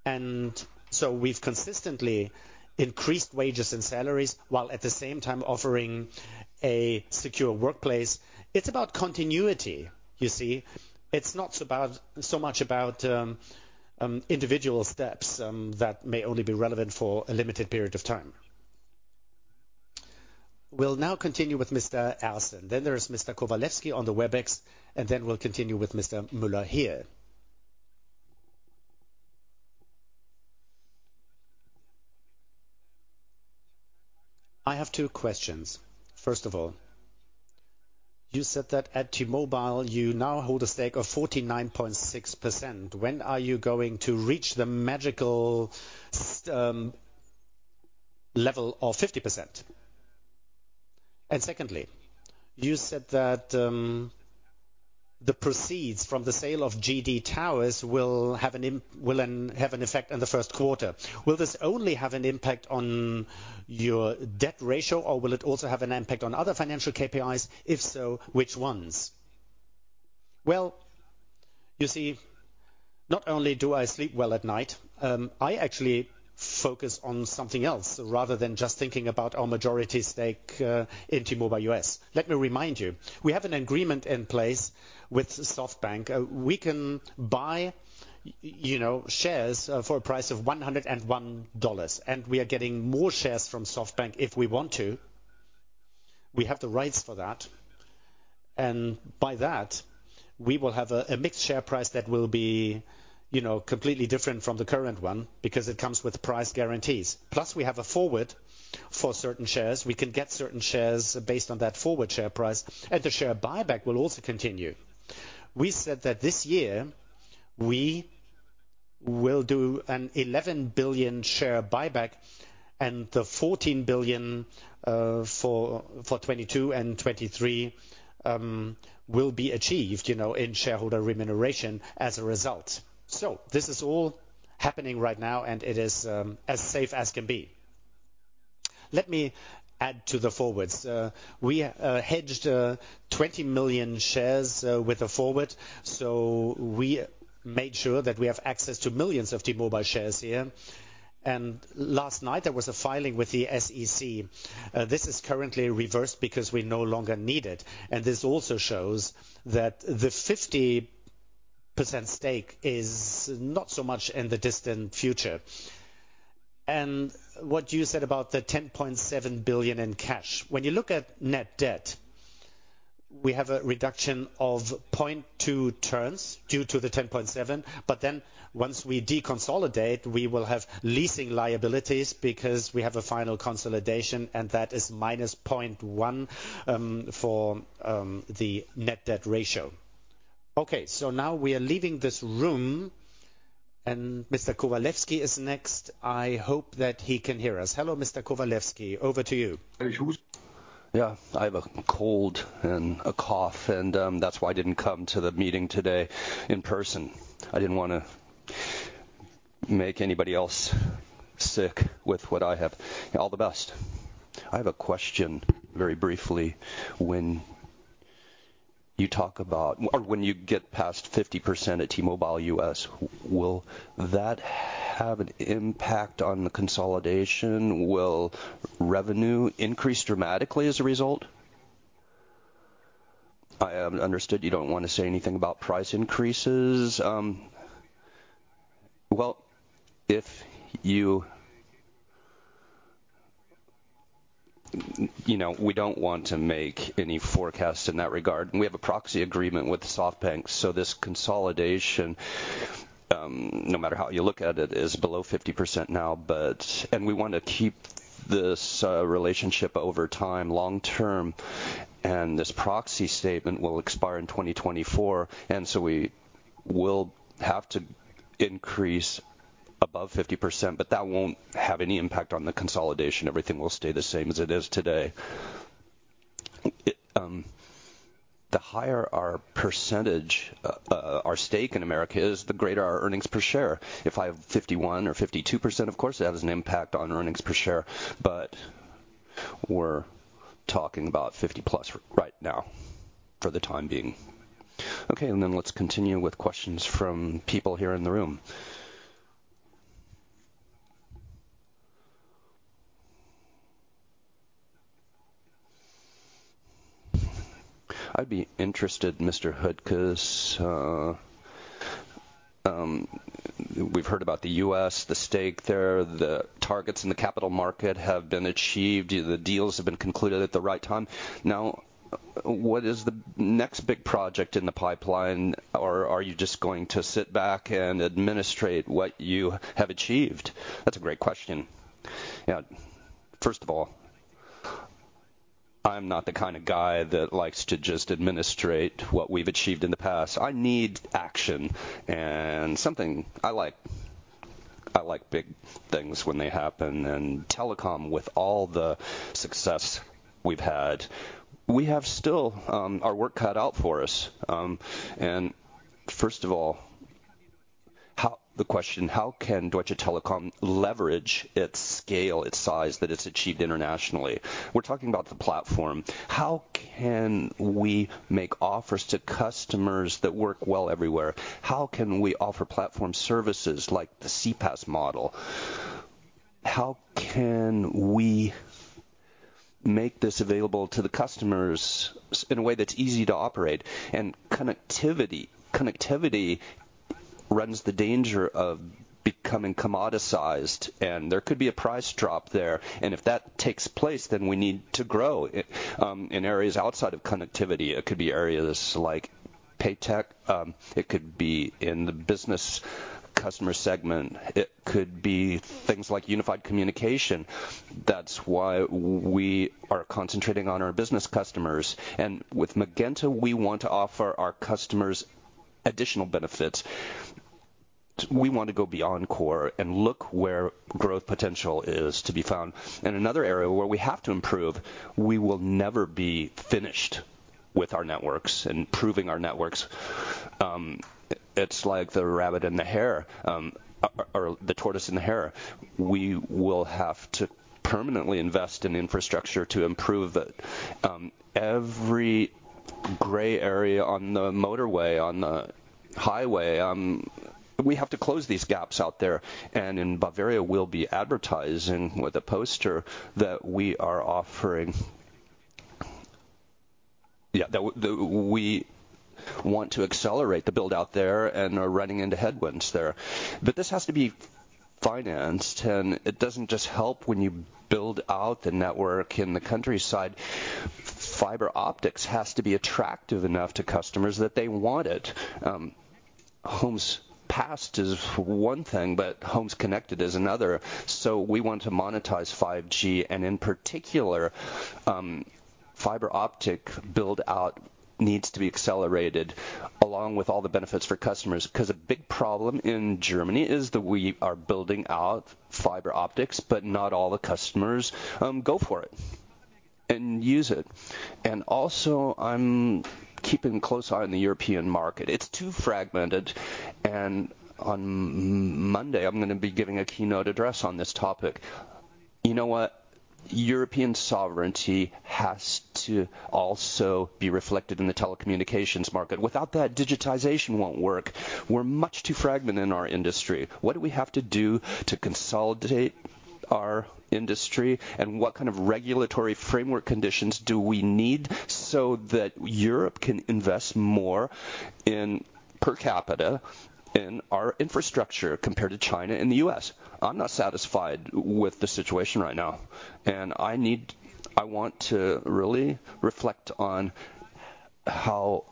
We've consistently increased wages and salaries while at the same time offering a secure workplace. It's about continuity, you see? It's not about, so much about, individual steps that may only be relevant for a limited period of time. We'll now continue with Mr. Allison. There is Mr. Kowalewski on the WebEx, and then we'll continue with Mr. Muller here. I have two questions. First of all, you said that at T-Mobile, you now hold a stake of 49.6%. When are you going to reach the magical level of 50%? Secondly, you said that the proceeds from the sale of GD Towers will have an effect in the first quarter. Will this only have an impact on your debt ratio, or will it also have an impact on other financial KPIs? If so, which ones? You see, not only do I sleep well at night, I actually focus on something else rather than just thinking about our majority stake in T-Mobile US. Let me remind you, we have an agreement in place with SoftBank. We can buy, you know, shares, for a price of $101, and we are getting more shares from SoftBank if we want to. We have the rights for that. By that, we will have a mixed share price that will be, you know, completely different from the current one because it comes with price guarantees. Plus we have a forward for certain shares. We can get certain shares based on that forward share price. The share buyback will also continue. We said that this year we will do an 11 billion share buyback and the 14 billion for 2022 and 2023 will be achieved, you know, in shareholder remuneration as a result. So this is all happening right now and it is, as safe as can be. Let me add to the forwards. We hedged 20 million shares with a forward. So we made sure that we have access to millions of T-Mobile shares here. Last night there was a filing with the SEC. This is currently reversed because we no longer need it. This also shows that the 50% stake is not so much in the distant future. What you said about the 10.7 billion in cash. When you look at net debt, we have a reduction of 0.2 turns due to the 10.7 billion. Once we deconsolidate, we will have leasing liabilities because we have a final consolidation, and that is -0.1 for the net debt ratio. We are leaving this room and Mr. Kowalewski is next. I hope that he can hear us. Hello, Mr. Kowalewski. Over to you. I have a cold and a cough, and that's why I didn't come to the meeting today in person. I didn't want to make anybody else sick with what I have. All the best. I have a question very briefly. When you get past 50% at T-Mobile US, will that have an impact on the consolidation? Will revenue increase dramatically as a result? I understood you don't want to say anything about price increases. Well, if you... You know. We don't want to make any forecast in that regard. We have a proxy agreement with SoftBank, so this consolidation, no matter how you look at it, is below 50% now. We want to keep this relationship over time long-term, and this proxy statement will expire in 2024, and so we will have to increase above 50%, but that won't have any impact on the consolidation. Everything will stay the same as it is today. The higher our percentage, our stake in America is, the greater our earnings per share. If I have 51% or 52%, of course, it has an impact on earnings per share. We're talking about 50+ right now for the time being. Okay, let's continue with questions from people here in the room. I'd be interested, Mr. Höttges, we've heard about the U.S., the stake there, the targets in the capital market have been achieved. The deals have been concluded at the right time. Now, what is the next big project in the pipeline? Are you just going to sit back and administrate what you have achieved? That's a great question. Yeah. First of all, I'm not the kind of guy that likes to just administrate what we've achieved in the past. I need action and something I like. I like big things when they happen. Telecom, with all the success we've had, we have still our work cut out for us. First of all, the question, how can Deutsche Telekom leverage its scale, its size that it's achieved internationally? We're talking about the platform. How can we make offers to customers that work well everywhere? How can we offer platform services like the CPaaS model? How can we make this available to the customers in a way that's easy to operate? Connectivity. Connectivity runs the danger of becoming commoditized, there could be a price drop there. If that takes place, then we need to grow in areas outside of connectivity. It could be areas like PayTech. It could be in the business customer segment. It could be things like unified communications. That's why we are concentrating on our business customers. With Magenta, we want to offer our customers additional benefits. We want to go beyond core and look where growth potential is to be found. Another area where we have to improve, we will never be finished with our networks, improving our networks. It's like the rabbit and the hare, or the tortoise and the hare. We will have to permanently invest in infrastructure to improve it. Every gray area on the motorway, on the highway, we have to close these gaps out there. In Bavaria, we'll be advertising with a poster that we are offering. We want to accelerate the build out there and are running into headwinds there. This has to be financed, and it doesn't just help when you build out the network in the countryside. Fiber optics has to be attractive enough to customers that they want it. Homes passed is one thing, but homes connected is another. We want to monetize 5G, and in particular, fiber optic build-out needs to be accelerated along with all the benefits for customers. Cause a big problem in Germany is that we are building out fiber optics, but not all the customers go for it and use it. Also, I'm keeping a close eye on the European market. It's too fragmented. On Monday, I'm gonna be giving a keynote address on this topic. You know what? European sovereignty has to also be reflected in the telecommunications market. Without that, digitization won't work. We're much too fragmented in our industry. What do we have to do to consolidate our industry? What kind of regulatory framework conditions do we need so that Europe can invest more in per capita in our infrastructure compared to China and the U.S.? I'm not satisfied with the situation right now, and I want to really reflect on how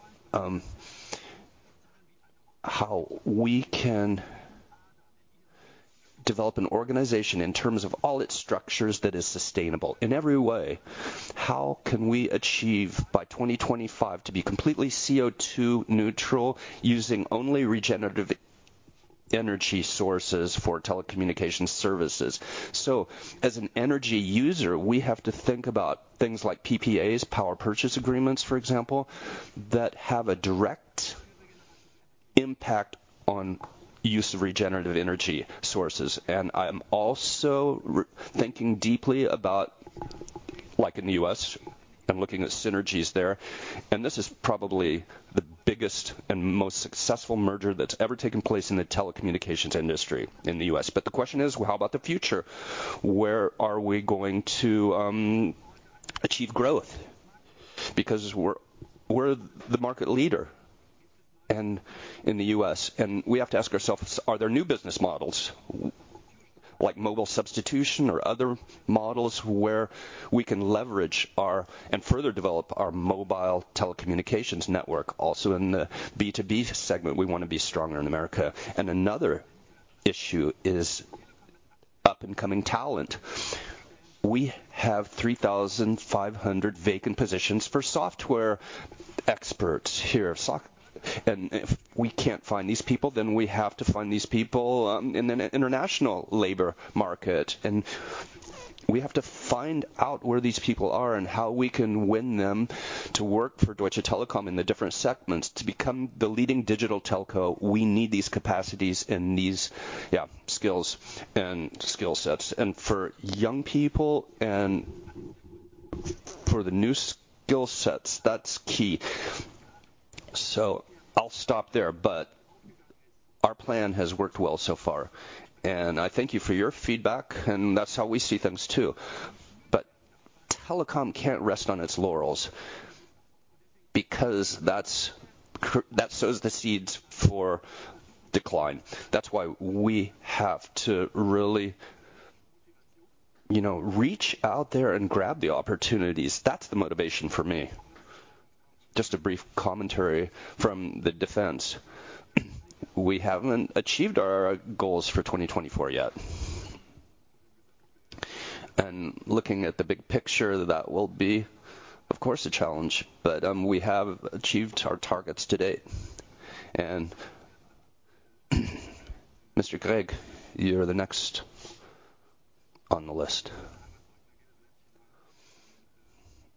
we can develop an organization in terms of all its structures that is sustainable in every way. How can we achieve by 2025 to be completely CO2 neutral using only regenerative energy sources for telecommunication services? As an energy user, we have to think about things like PPAs, Power Purchase Agreements, for example, that have a direct impact on use of regenerative energy sources. I am also thinking deeply about, like in the U.S., I'm looking at synergies there. This is probably the biggest and most successful merger that's ever taken place in the telecommunications industry in the U.S. The question is, well, how about the future? Where are we going to achieve growth? Because we're the market leader in the U.S., and we have to ask ourselves, are there new business models, like mobile substitution or other models where we can leverage our and further develop our mobile telecommunications network? Also in the B2B segment, we wanna be stronger in America. Another issue is up-and-coming talent. We have 3,500 vacant positions for software experts here. If we can't find these people, then we have to find these people in the international labor market. We have to find out where these people are and how we can win them to work for Deutsche Telekom in the different segments. To become the leading digital telco, we need these capacities and these skills and skill sets. For young people and for the new skill sets, that's key. I'll stop there, but our plan has worked well so far, and I thank you for your feedback, and that's how we see things too. Telekom can't rest on its laurels because that sows the seeds for decline. That's why we have to really, you know, reach out there and grab the opportunities. That's the motivation for me. Just a brief commentary from the defense. We haven't achieved our goals for 2024 yet. Looking at the big picture, that will be, of course, a challenge, but we have achieved our targets to date. Mr. Greg, you're the next on the list.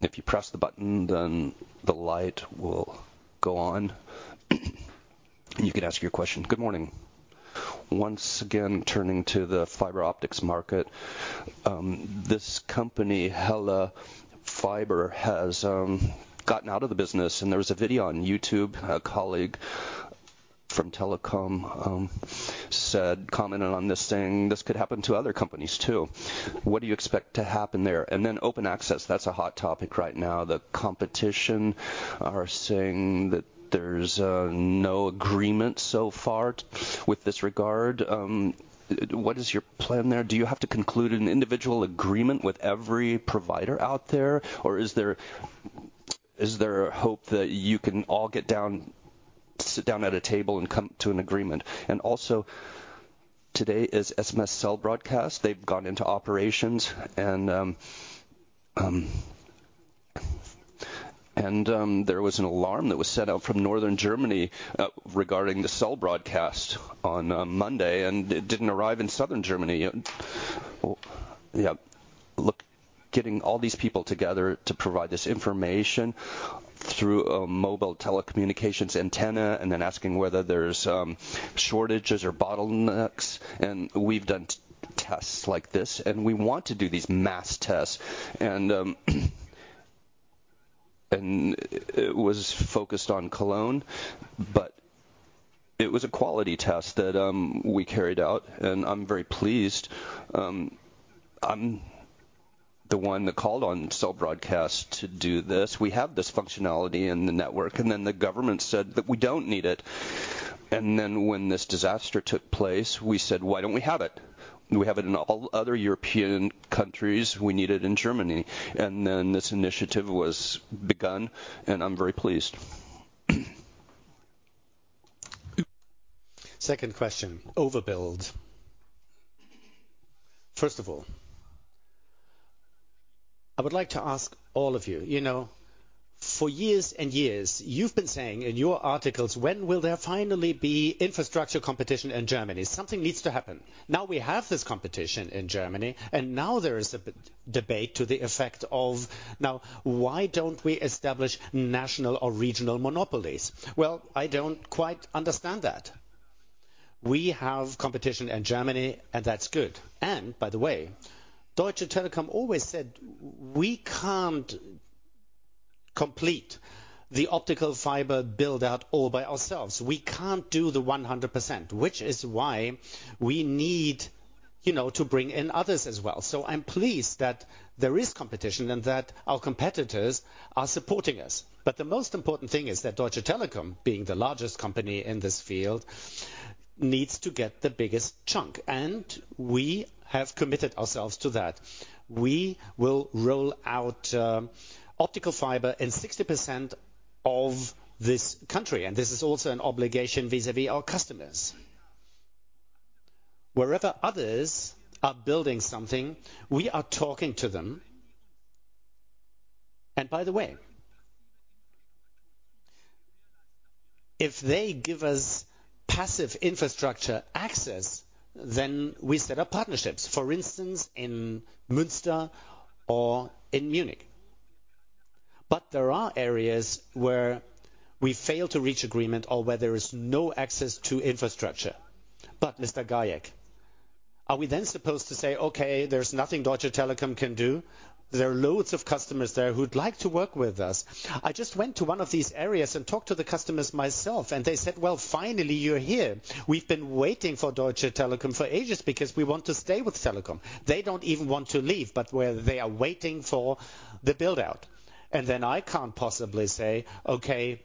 If you press the button, then the light will go on, and you can ask your question. Good morning. Once again, turning to the fiber optics market, this company, helloFiber, has gotten out of the business, and there was a video on YouTube. A colleague from Telekom said, commented on this saying this could happen to other companies, too. What do you expect to happen there? Open access, that's a hot topic right now. The competition are saying that there's no agreement so far with this regard. What is your plan there? Do you have to conclude an individual agreement with every provider out there, or is there a hope that you can all get down, sit down at a table and come to an agreement? Also, today is SMS Cell Broadcast. They've gone into operations and...There was an alarm that was sent out from northern Germany regarding the Cell Broadcast on Monday, and it didn't arrive in southern Germany. Look, getting all these people together to provide this information through a mobile telecommunications antenna and then asking whether there's shortages or bottlenecks, and we've done t-tests like this, and we want to do these mass tests. It was focused on Cologne, but it was a quality test that we carried out, and I'm very pleased. I'm the one that called on Cell Broadcast to do this. We have this functionality in the network, and then the government said that we don't need it. When this disaster took place, we said, "Why don't we have it? We have it in all other European countries. We need it in Germany." This initiative was begun, and I'm very pleased. Second question, overbuild. First of all, I would like to ask all of you. You know, for years and years, you've been saying in your articles, "When will there finally be infrastructure competition in Germany? Something needs to happen." Now we have this competition in Germany, and now there is a debate to the effect of, "Now why don't we establish national or regional monopolies?" Well, I don't quite understand that. We have competition in Germany, and that's good. By the way, Deutsche Telekom always said, "We can't complete the optical fiber build-out all by ourselves. We can't do the 100%," which is why we need, you know, to bring in others as well. I'm pleased that there is competition and that our competitors are supporting us. The most important thing is that Deutsche Telekom, being the largest company in this field, needs to get the biggest chunk. We have committed ourselves to that. We will roll out optical fiber in 60% of this country, and this is also an obligation vis-à-vis our customers. Wherever others are building something, we are talking to them. By the way, if they give us passive infrastructure access, then we set up partnerships, for instance, in Münster or in Munich. There are areas where we fail to reach agreement or where there is no access to infrastructure. Mr. Gayek, are we then supposed to say, "Okay, there's nothing Deutsche Telekom can do?" There are loads of customers there who'd like to work with us. I just went to one of these areas and talked to the customers myself, and they said, "Well, finally, you're here. We've been waiting for Deutsche Telekom for ages because we want to stay with Telekom." They don't even want to leave, but where they are waiting for the build-out. Then I can't possibly say, "Okay,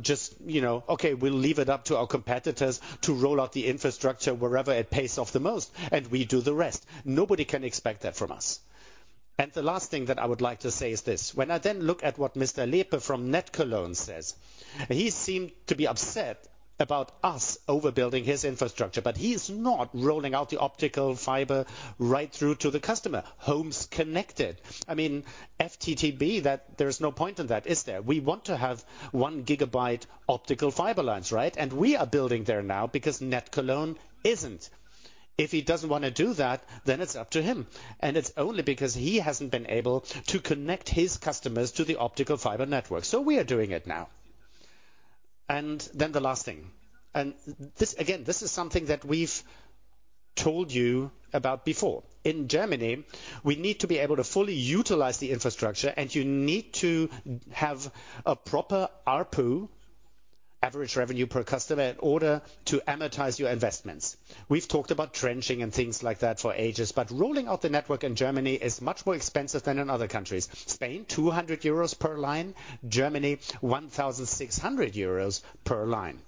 just, you know, okay, we'll leave it up to our competitors to roll out the infrastructure wherever it pays off the most, and we do the rest." Nobody can expect that from us. The last thing that I would like to say is this. When I then look at what Mr. Lepel from NetCologne says, he seemed to be upset about us overbuilding his infrastructure. He's not rolling out the optical fiber right through to the customer. Homes connected. I mean, FTTB, that there is no point in that, is there? We want to have 1 GB optical fiber lines, right? We are building there now because NetCologne isn't. If he doesn't want to do that, then it's up to him. It's only because he hasn't been able to connect his customers to the optical fiber network. We are doing it now. The last thing, and this, again, this is something that we've told you about before. In Germany, we need to be able to fully utilize the infrastructure. You need to have a proper ARPU, average revenue per customer, in order to amortize your investments. We've talked about trenching and things like that for ages. Rolling out the network in Germany is much more expensive than in other countries. Spain, 200 euros per line, Germany, 1,600 euros per line.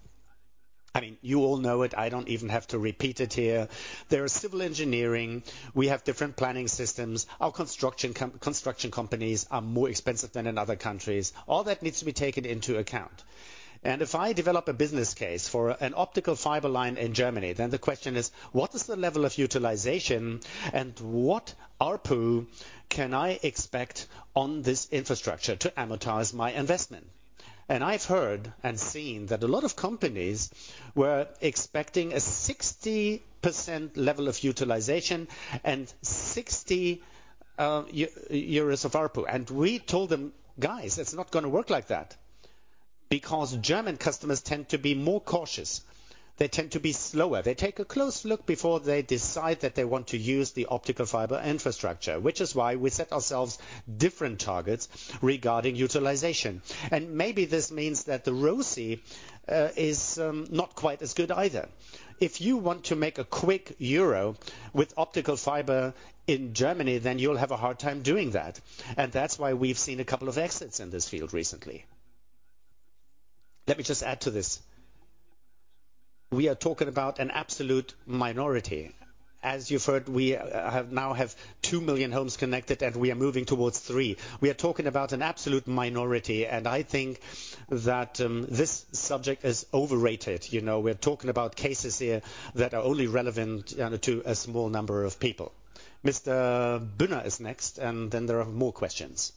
I mean, you all know it. I don't even have to repeat it here. There is civil engineering. We have different planning systems. Our construction companies are more expensive than in other countries. All that needs to be taken into account. If I develop a business case for an optical fiber line in Germany, then the question is, what is the level of utilization and what ARPU can I expect on this infrastructure to amortize my investment? I've heard and seen that a lot of companies were expecting a 60% level of utilization and 60 euros of ARPU. We told them, "Guys, it's not gonna work like that." German customers tend to be more cautious. They tend to be slower. They take a close look before they decide that they want to use the optical fiber infrastructure, which is why we set ourselves different targets regarding utilization. Maybe this means that the ROSI is not quite as good either. If you want to make a quick EUR with optical fiber in Germany, then you'll have a hard time doing that. That's why we've seen a couple of exits in this field recently. Let me just add to this. We are talking about an absolute minority. As you've heard, we now have 2,000,000 homes connected, and we are moving towards three. We are talking about an absolute minority, and I think that this subject is overrated. You know, we're talking about cases here that are only relevant to a small number of people. Mr. Brunner is next, then there are more questions.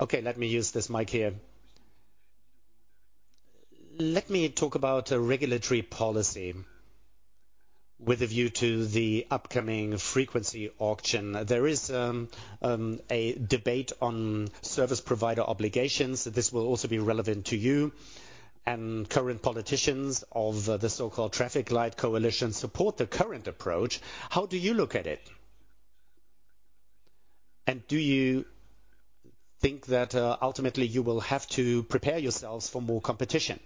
Okay, let me use this mic here. Let me talk about a regulatory policy with a view to the upcoming frequency auction. There is a debate on service provider obligations. This will also be relevant to you. Current politicians of the so-called traffic light coalition support the current approach. How do you look at it? Do you think that ultimately you will have to prepare yourselves for more competition?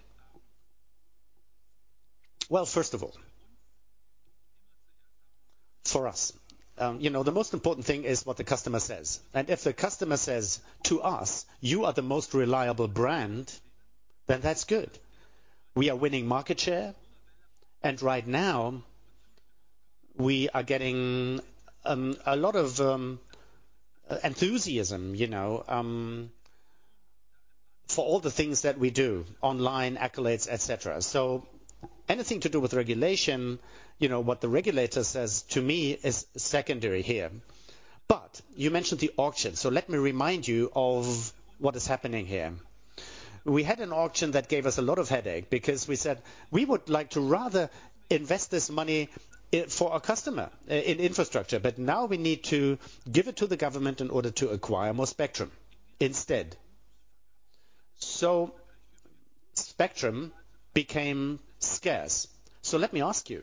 Well, first of all, for us, you know, the most important thing is what the customer says. If the customer says to us, "You are the most reliable brand," then that's good. We are winning market share. Right now we are getting a lot of enthusiasm, you know, for all the things that we do, online accolades, et cetera. Anything to do with regulation, you know, what the regulator says to me is secondary here. You mentioned the auction, let me remind you of what is happening here. We had an auction that gave us a lot of headache because we said we would like to rather invest this money for our customer in infrastructure, but now we need to give it to the government in order to acquire more spectrum instead. Spectrum became scarce. Let me ask you,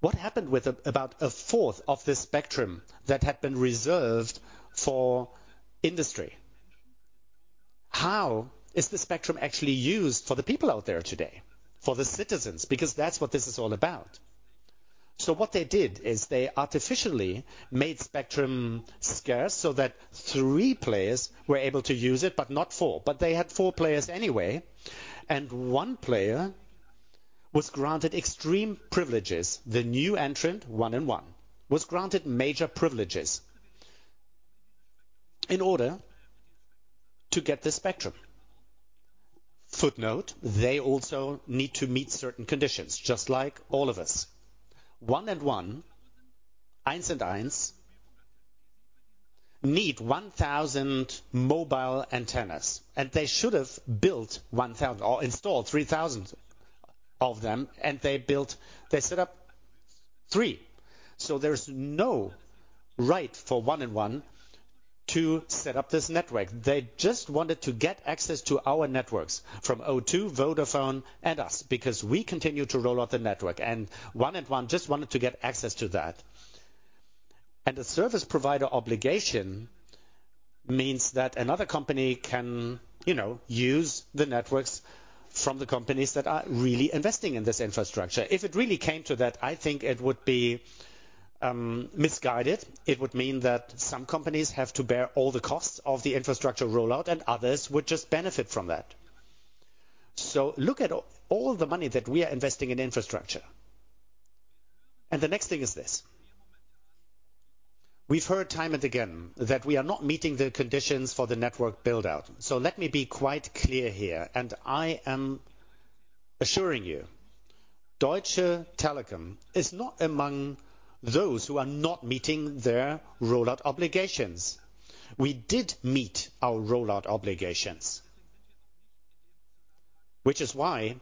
what happened about a fourth of this spectrum that had been reserved for industry? How is the spectrum actually used for the people out there today, for the citizens? Because that's what this is all about. What they did is they artificially made spectrum scarce so that three players were able to use it, but not four. They had four players anyway, and one player was granted extreme privileges. The new entrant, 1&1, was granted major privileges in order to get the spectrum. Footnote, they also need to meet certain conditions, just like all of us. 1&1, need 1,000 mobile antennas, and they should have built 1,000 or installed 3,000 of them, and they set up three. There's no right for 1&1 to set up this network. They just wanted to get access to our networks from O2, Vodafone, and us, because we continue to roll out the network and 1&1 just wanted to get access to that. The service provider obligation means that another company can, you know, use the networks from the companies that are really investing in this infrastructure. If it really came to that, I think it would be misguided. It would mean that some companies have to bear all the costs of the infrastructure rollout and others would just benefit from that. Look at all the money that we are investing in infrastructure. The next thing is this. We've heard time and again that we are not meeting the conditions for the network build out. Let me be quite clear here and I am assuring you, Deutsche Telekom is not among those who are not meeting their rollout obligations. We did meet our rollout obligations. Which is why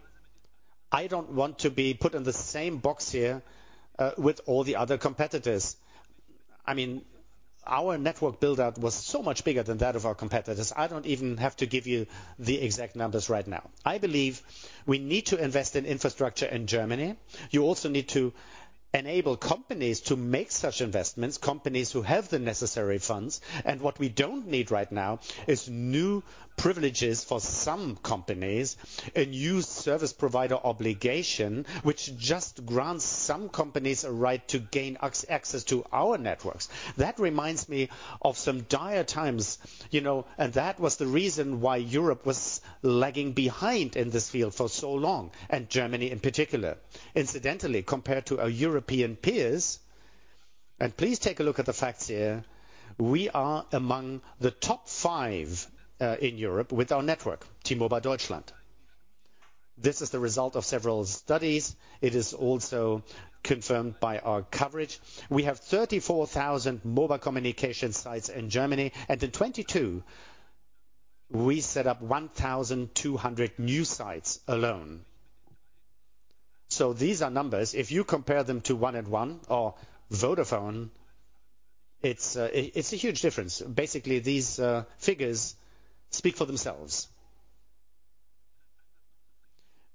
I don't want to be put in the same box here with all the other competitors. I mean, our network build out was so much bigger than that of our competitors. I don't even have to give you the exact numbers right now. I believe we need to invest in infrastructure in Germany. You also need to enable companies to make such investments, companies who have the necessary funds. What we don't need right now is new privileges for some companies, a new service provider obligation which just grants some companies a right to gain access to our networks. That reminds me of some dire times, you know, and that was the reason why Europe was lagging behind in this field for so long, and Germany in particular. Incidentally, compared to our European peers, and please take a look at the facts here, we are among the top five in Europe with our network, T-Mobile Deutschland. This is the result of several studies. It is also confirmed by our coverage. We have 34,000 mobile communication sites in Germany, and in 2022 we set up 1,200 new sites alone. These are numbers. If you compare them to 1&1 or Vodafone, it's a huge difference. Basically, these figures speak for themselves.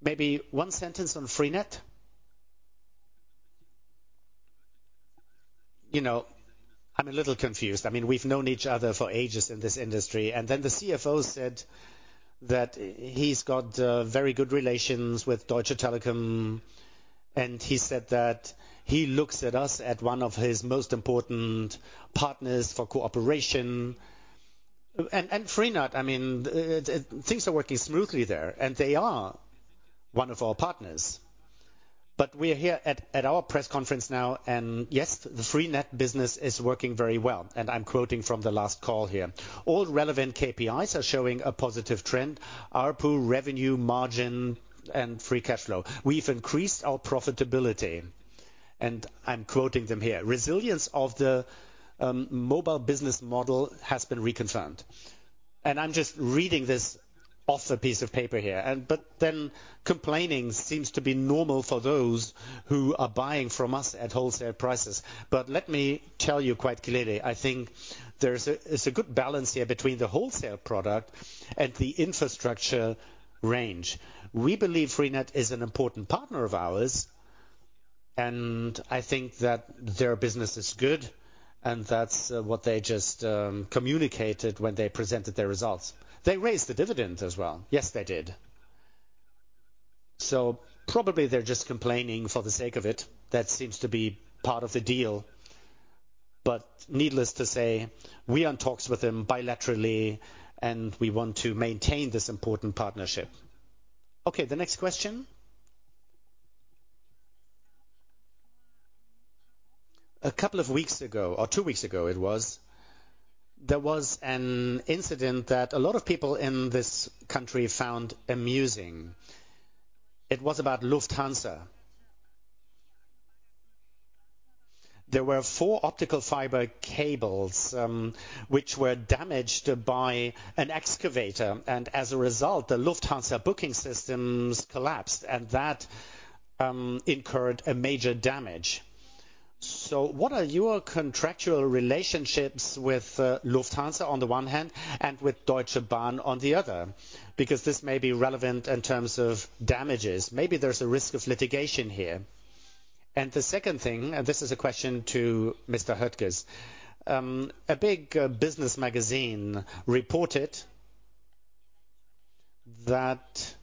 Maybe one sentence on Freenet. You know, I'm a little confused. I mean, we've known each other for ages in this industry. The CFO said that he's got very good relations with Deutsche Telekom, and he said that he looks at us at one of his most important partners for cooperation. Freenet, I mean, things are working smoothly there, and they are one of our partners. We're here at our press conference now and yes, the Freenet business is working very well. I'm quoting from the last call here. All relevant KPIs are showing a positive trend, ARPU revenue margin and free cash flow. We've increased our profitability, and I'm quoting them here. Resilience of the mobile business model has been reconfirmed. I'm just reading this off a piece of paper here. Complaining seems to be normal for those who are buying from us at wholesale prices. Let me tell you quite clearly, I think there's a good balance here between the wholesale product and the infrastructure range. We believe Freenet is an important partner of ours, and I think that their business is good and that's what they just communicated when they presented their results. They raised the dividend as well. Yes, they did. Probably they're just complaining for the sake of it. That seems to be part of the deal. Needless to say, we are in talks with them bilaterally and we want to maintain this important partnership. The next question. A couple of weeks ago or two weeks ago it was, there was an incident that a lot of people in this country found amusing. It was about Lufthansa. There were four optical fiber cables which were damaged by an excavator. As a result, the Lufthansa booking systems collapsed and that incurred a major damage. What are your contractual relationships with Lufthansa on the one hand and with Deutsche Bahn on the other? Because this may be relevant in terms of damages. Maybe there's a risk of litigation here. The second thing, this is a question to Mr. Höttges. A big business magazine reported that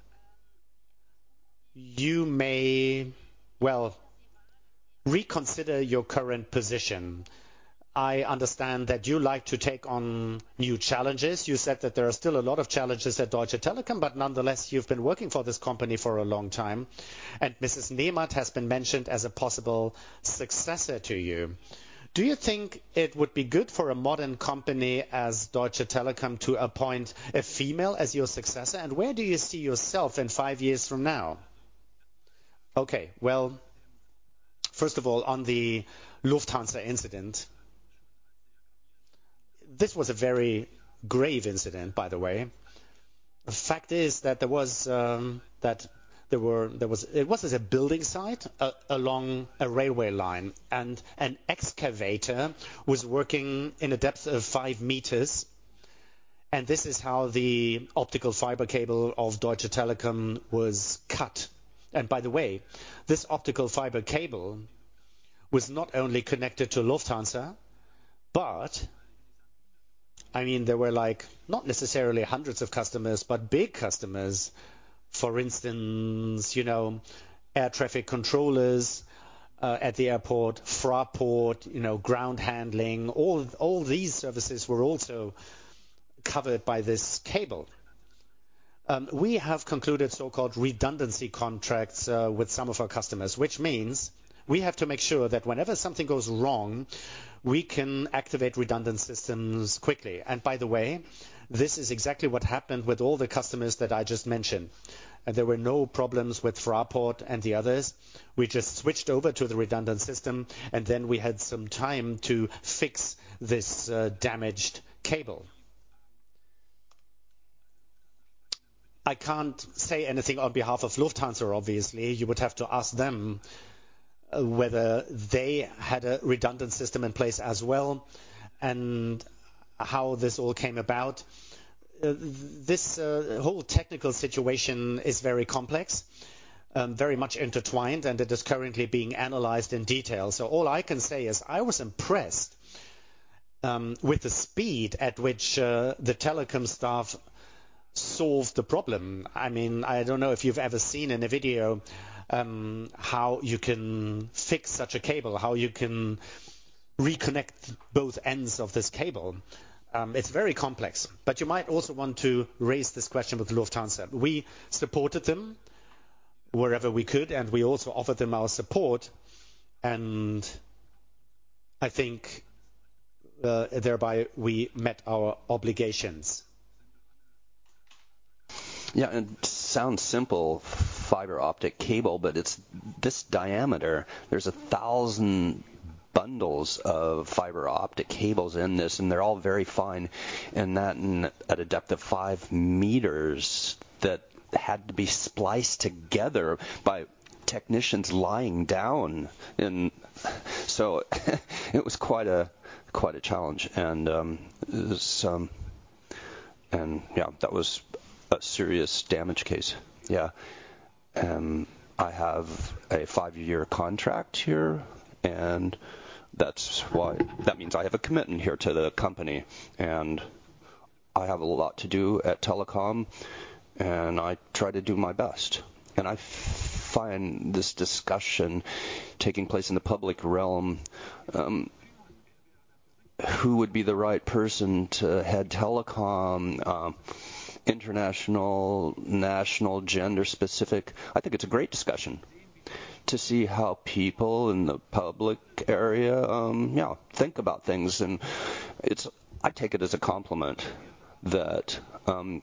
you may reconsider your current position. I understand that you like to take on new challenges. You said that there are still a lot of challenges at Deutsche Telekom, but nonetheless, you've been working for this company for a long time. Mrs. Nemat has been mentioned as a possible successor to you. Do you think it would be good for a modern company as Deutsche Telekom to appoint a female as your successor? Where do you see yourself in five years from now? First of all, on the Lufthansa incident This was a very grave incident, by the way. The fact is that there was, it was as a building site along a railway line, and an excavator was working in a depth of 5 meters, and this is how the optical fiber cable of Deutsche Telekom was cut. By the way, this optical fiber cable was not only connected to Lufthansa, but I mean, there were like not necessarily hundreds of customers, but big customers. For instance, you know, air traffic controllers, at the airport, Fraport, you know, ground handling, all these services were also covered by this cable. We have concluded so-called redundancy contracts, with some of our customers, which means we have to make sure that whenever something goes wrong, we can activate redundant systems quickly. By the way, this is exactly what happened with all the customers that I just mentioned. There were no problems with Fraport and the others. We just switched over to the redundant system, and then we had some time to fix this damaged cable. I can't say anything on behalf of Lufthansa obviously. You would have to ask them whether they had a redundant system in place as well and how this all came about. This whole technical situation is very complex, very much intertwined, and it is currently being analyzed in detail. All I can say is I was impressed with the speed at which the Telekom staff solved the problem. I mean, I don't know if you've ever seen in a video, how you can fix such a cable. How you can reconnect both ends of this cable. It's very complex. You might also want to raise this question with Lufthansa. We supported them wherever we could, and we also offered them our support. I think, thereby we met our obligations. Sounds simple, fiber optic cable, but it's this diameter. There's a 1,000 bundles of fiber optic cables in this, and they're all very fine and that at a depth of 5 meters that had to be spliced together by technicians lying down. So it was quite a challenge. Yeah, that was a serious damage case. I have a year year contract here, and that's why. That means I have a commitment here to the company, and I have a lot to do at Telekom, and I try to do my best. I find this discussion taking place in the public realm, who would be the right person to head Telekom? International, national, gender specific. I think it's a great discussion to see how people in the public area think about things. It's I take it as a compliment that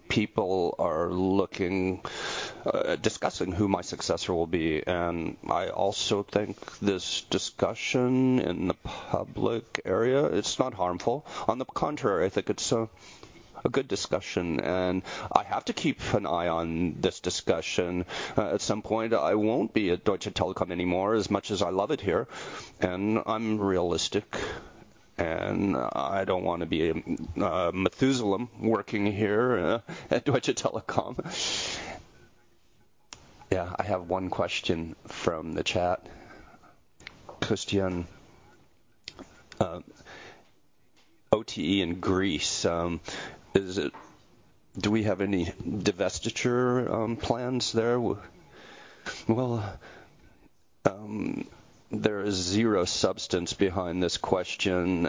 people are looking discussing who my successor will be. I also think this discussion in the public area, it's not harmful. On the contrary, I think it's a good discussion, and I have to keep an eye on this discussion. At some point, I won't be at Deutsche Telekom anymore. As much as I love it here, and I'm realistic, and I don't want to be a Methuselah working here at Deutsche Telekom. Yeah. I have one question from the chat. Christian, OTE in Greece, do we have any divestiture plans there? Well, there is zero substance behind this question.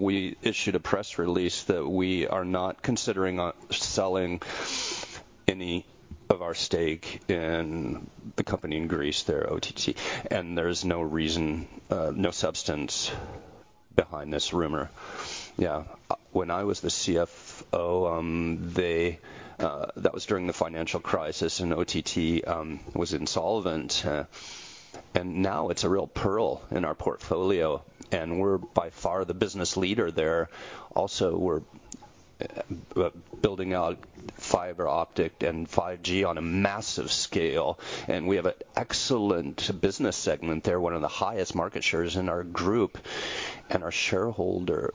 We issued a press release that we are not considering selling any of our stake in the company in Greece there, OTE. There's no reason, no substance behind this rumor. Yeah. When I was the CFO, that was during the financial crisis and OTE was insolvent. Now it's a real pearl in our portfolio, and we're by far the business leader there. Also, we're building out fiber optic and 5G on a massive scale, and we have an excellent business segment there, one of the highest market shares in our group. Our shareholder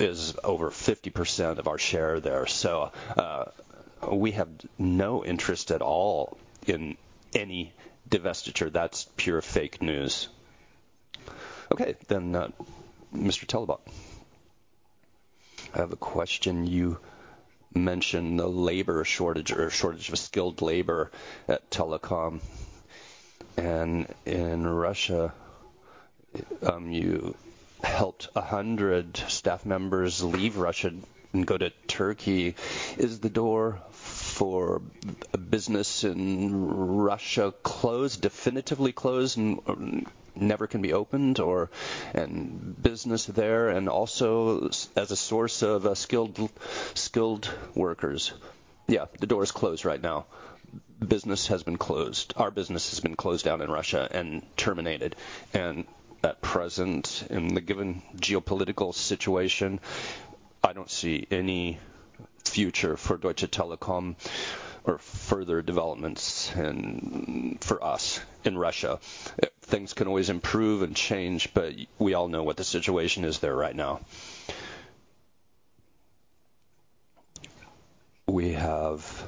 is over 50% of our share there. We have no interest at all in any divestiture. That's pure fake news. Okay. Mr. Talbot. I have a question. You mentioned the labor shortage or shortage of skilled labor at Telekom. In Russia, you helped 100 staff members leave Russia and go to Turkey. Is the door for business in Russia closed, definitively closed, and never can be opened or? Business there and also as a source of skilled workers? Yeah. The door is closed right now. Business has been closed. Our business has been closed down in Russia and terminated. At present, in the given geopolitical situation, I don't see any future for Deutsche Telekom or further developments for us in Russia. Things can always improve and change. We all know what the situation is there right now. We have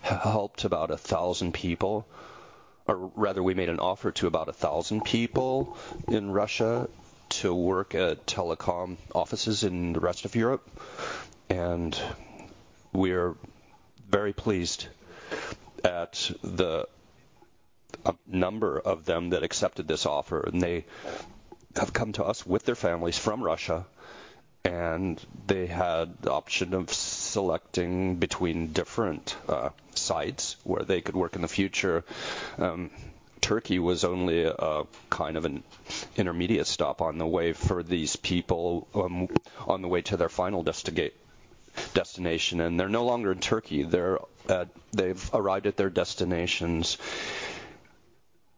helped about 1,000 people, or rather we made an offer to about 1,000 people in Russia to work at telecom offices in the rest of Europe. We're very pleased at the number of them that accepted this offer. They have come to us with their families from Russia, and they had the option of selecting between different sites where they could work in the future. Turkey was only a, kind of an intermediate stop on the way for these people on the way to their final destination. They're no longer in Turkey. They've arrived at their destinations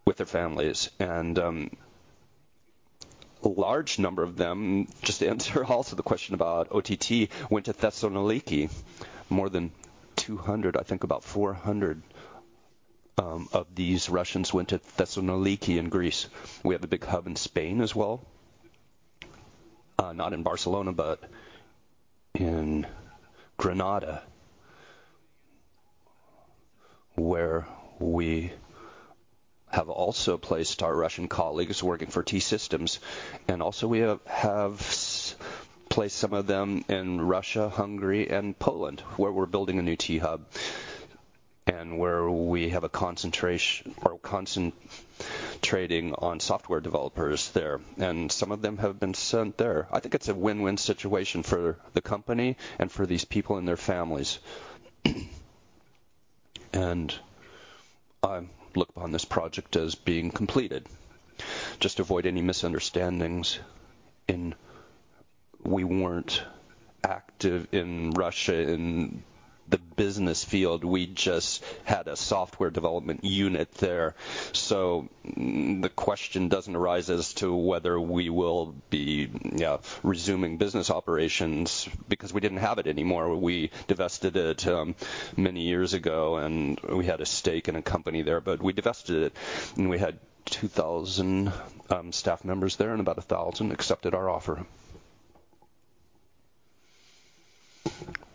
with their families. A large number of them, just to answer also the question about OTT, went to Thessaloniki. More than 200, I think about 400, of these Russians went to Thessaloniki in Greece. We have a big hub in Spain as well. Not in Barcelona, but in Granada, where we have also placed our Russian colleagues working for T-Systems. Also, we have placed some of them in Russia, Hungary, and Poland, where we're building a new T Hub, where we have a concentrating on software developers there. Some of them have been sent there. I think it's a win-win situation for the company and for these people and their families. I look upon this project as being completed. Just to avoid any misunderstandings. We weren't active in Russia in the business field. We just had a software development unit there. The question doesn't arise as to whether we will be resuming business operations because we didn't have it anymore. We divested it many years ago, and we had a stake in a company there, but we divested it, and we had 2,000 staff members there, and about 1,000 accepted our offer.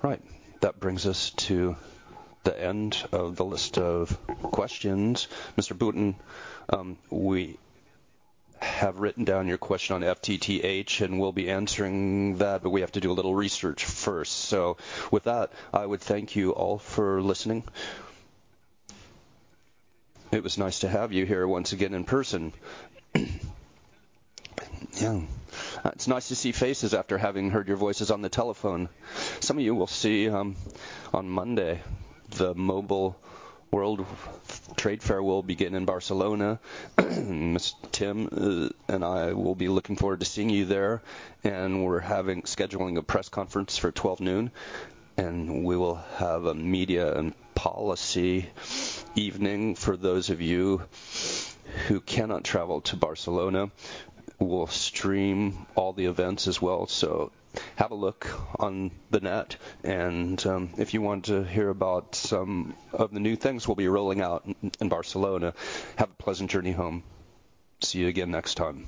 Right. That brings us to the end of the list of questions. Mr. Buten, we have written down your question on FTTH, and we'll be answering that, but we have to do a little research first. With that, I would thank you all for listening. It was nice to have you here once again in person. It's nice to see faces after having heard your voices on the telephone. Some of you we'll see on Monday. The Mobile World Congress will begin in Barcelona. Tim and I will be looking forward to seeing you there. We're scheduling a press conference for 12:00 P.M., we will have a media and policy evening. For those of you who cannot travel to Barcelona, we'll stream all the events as well. Have a look on the net. If you want to hear about some of the new things we'll be rolling out in Barcelona, have a pleasant journey home. See you again next time.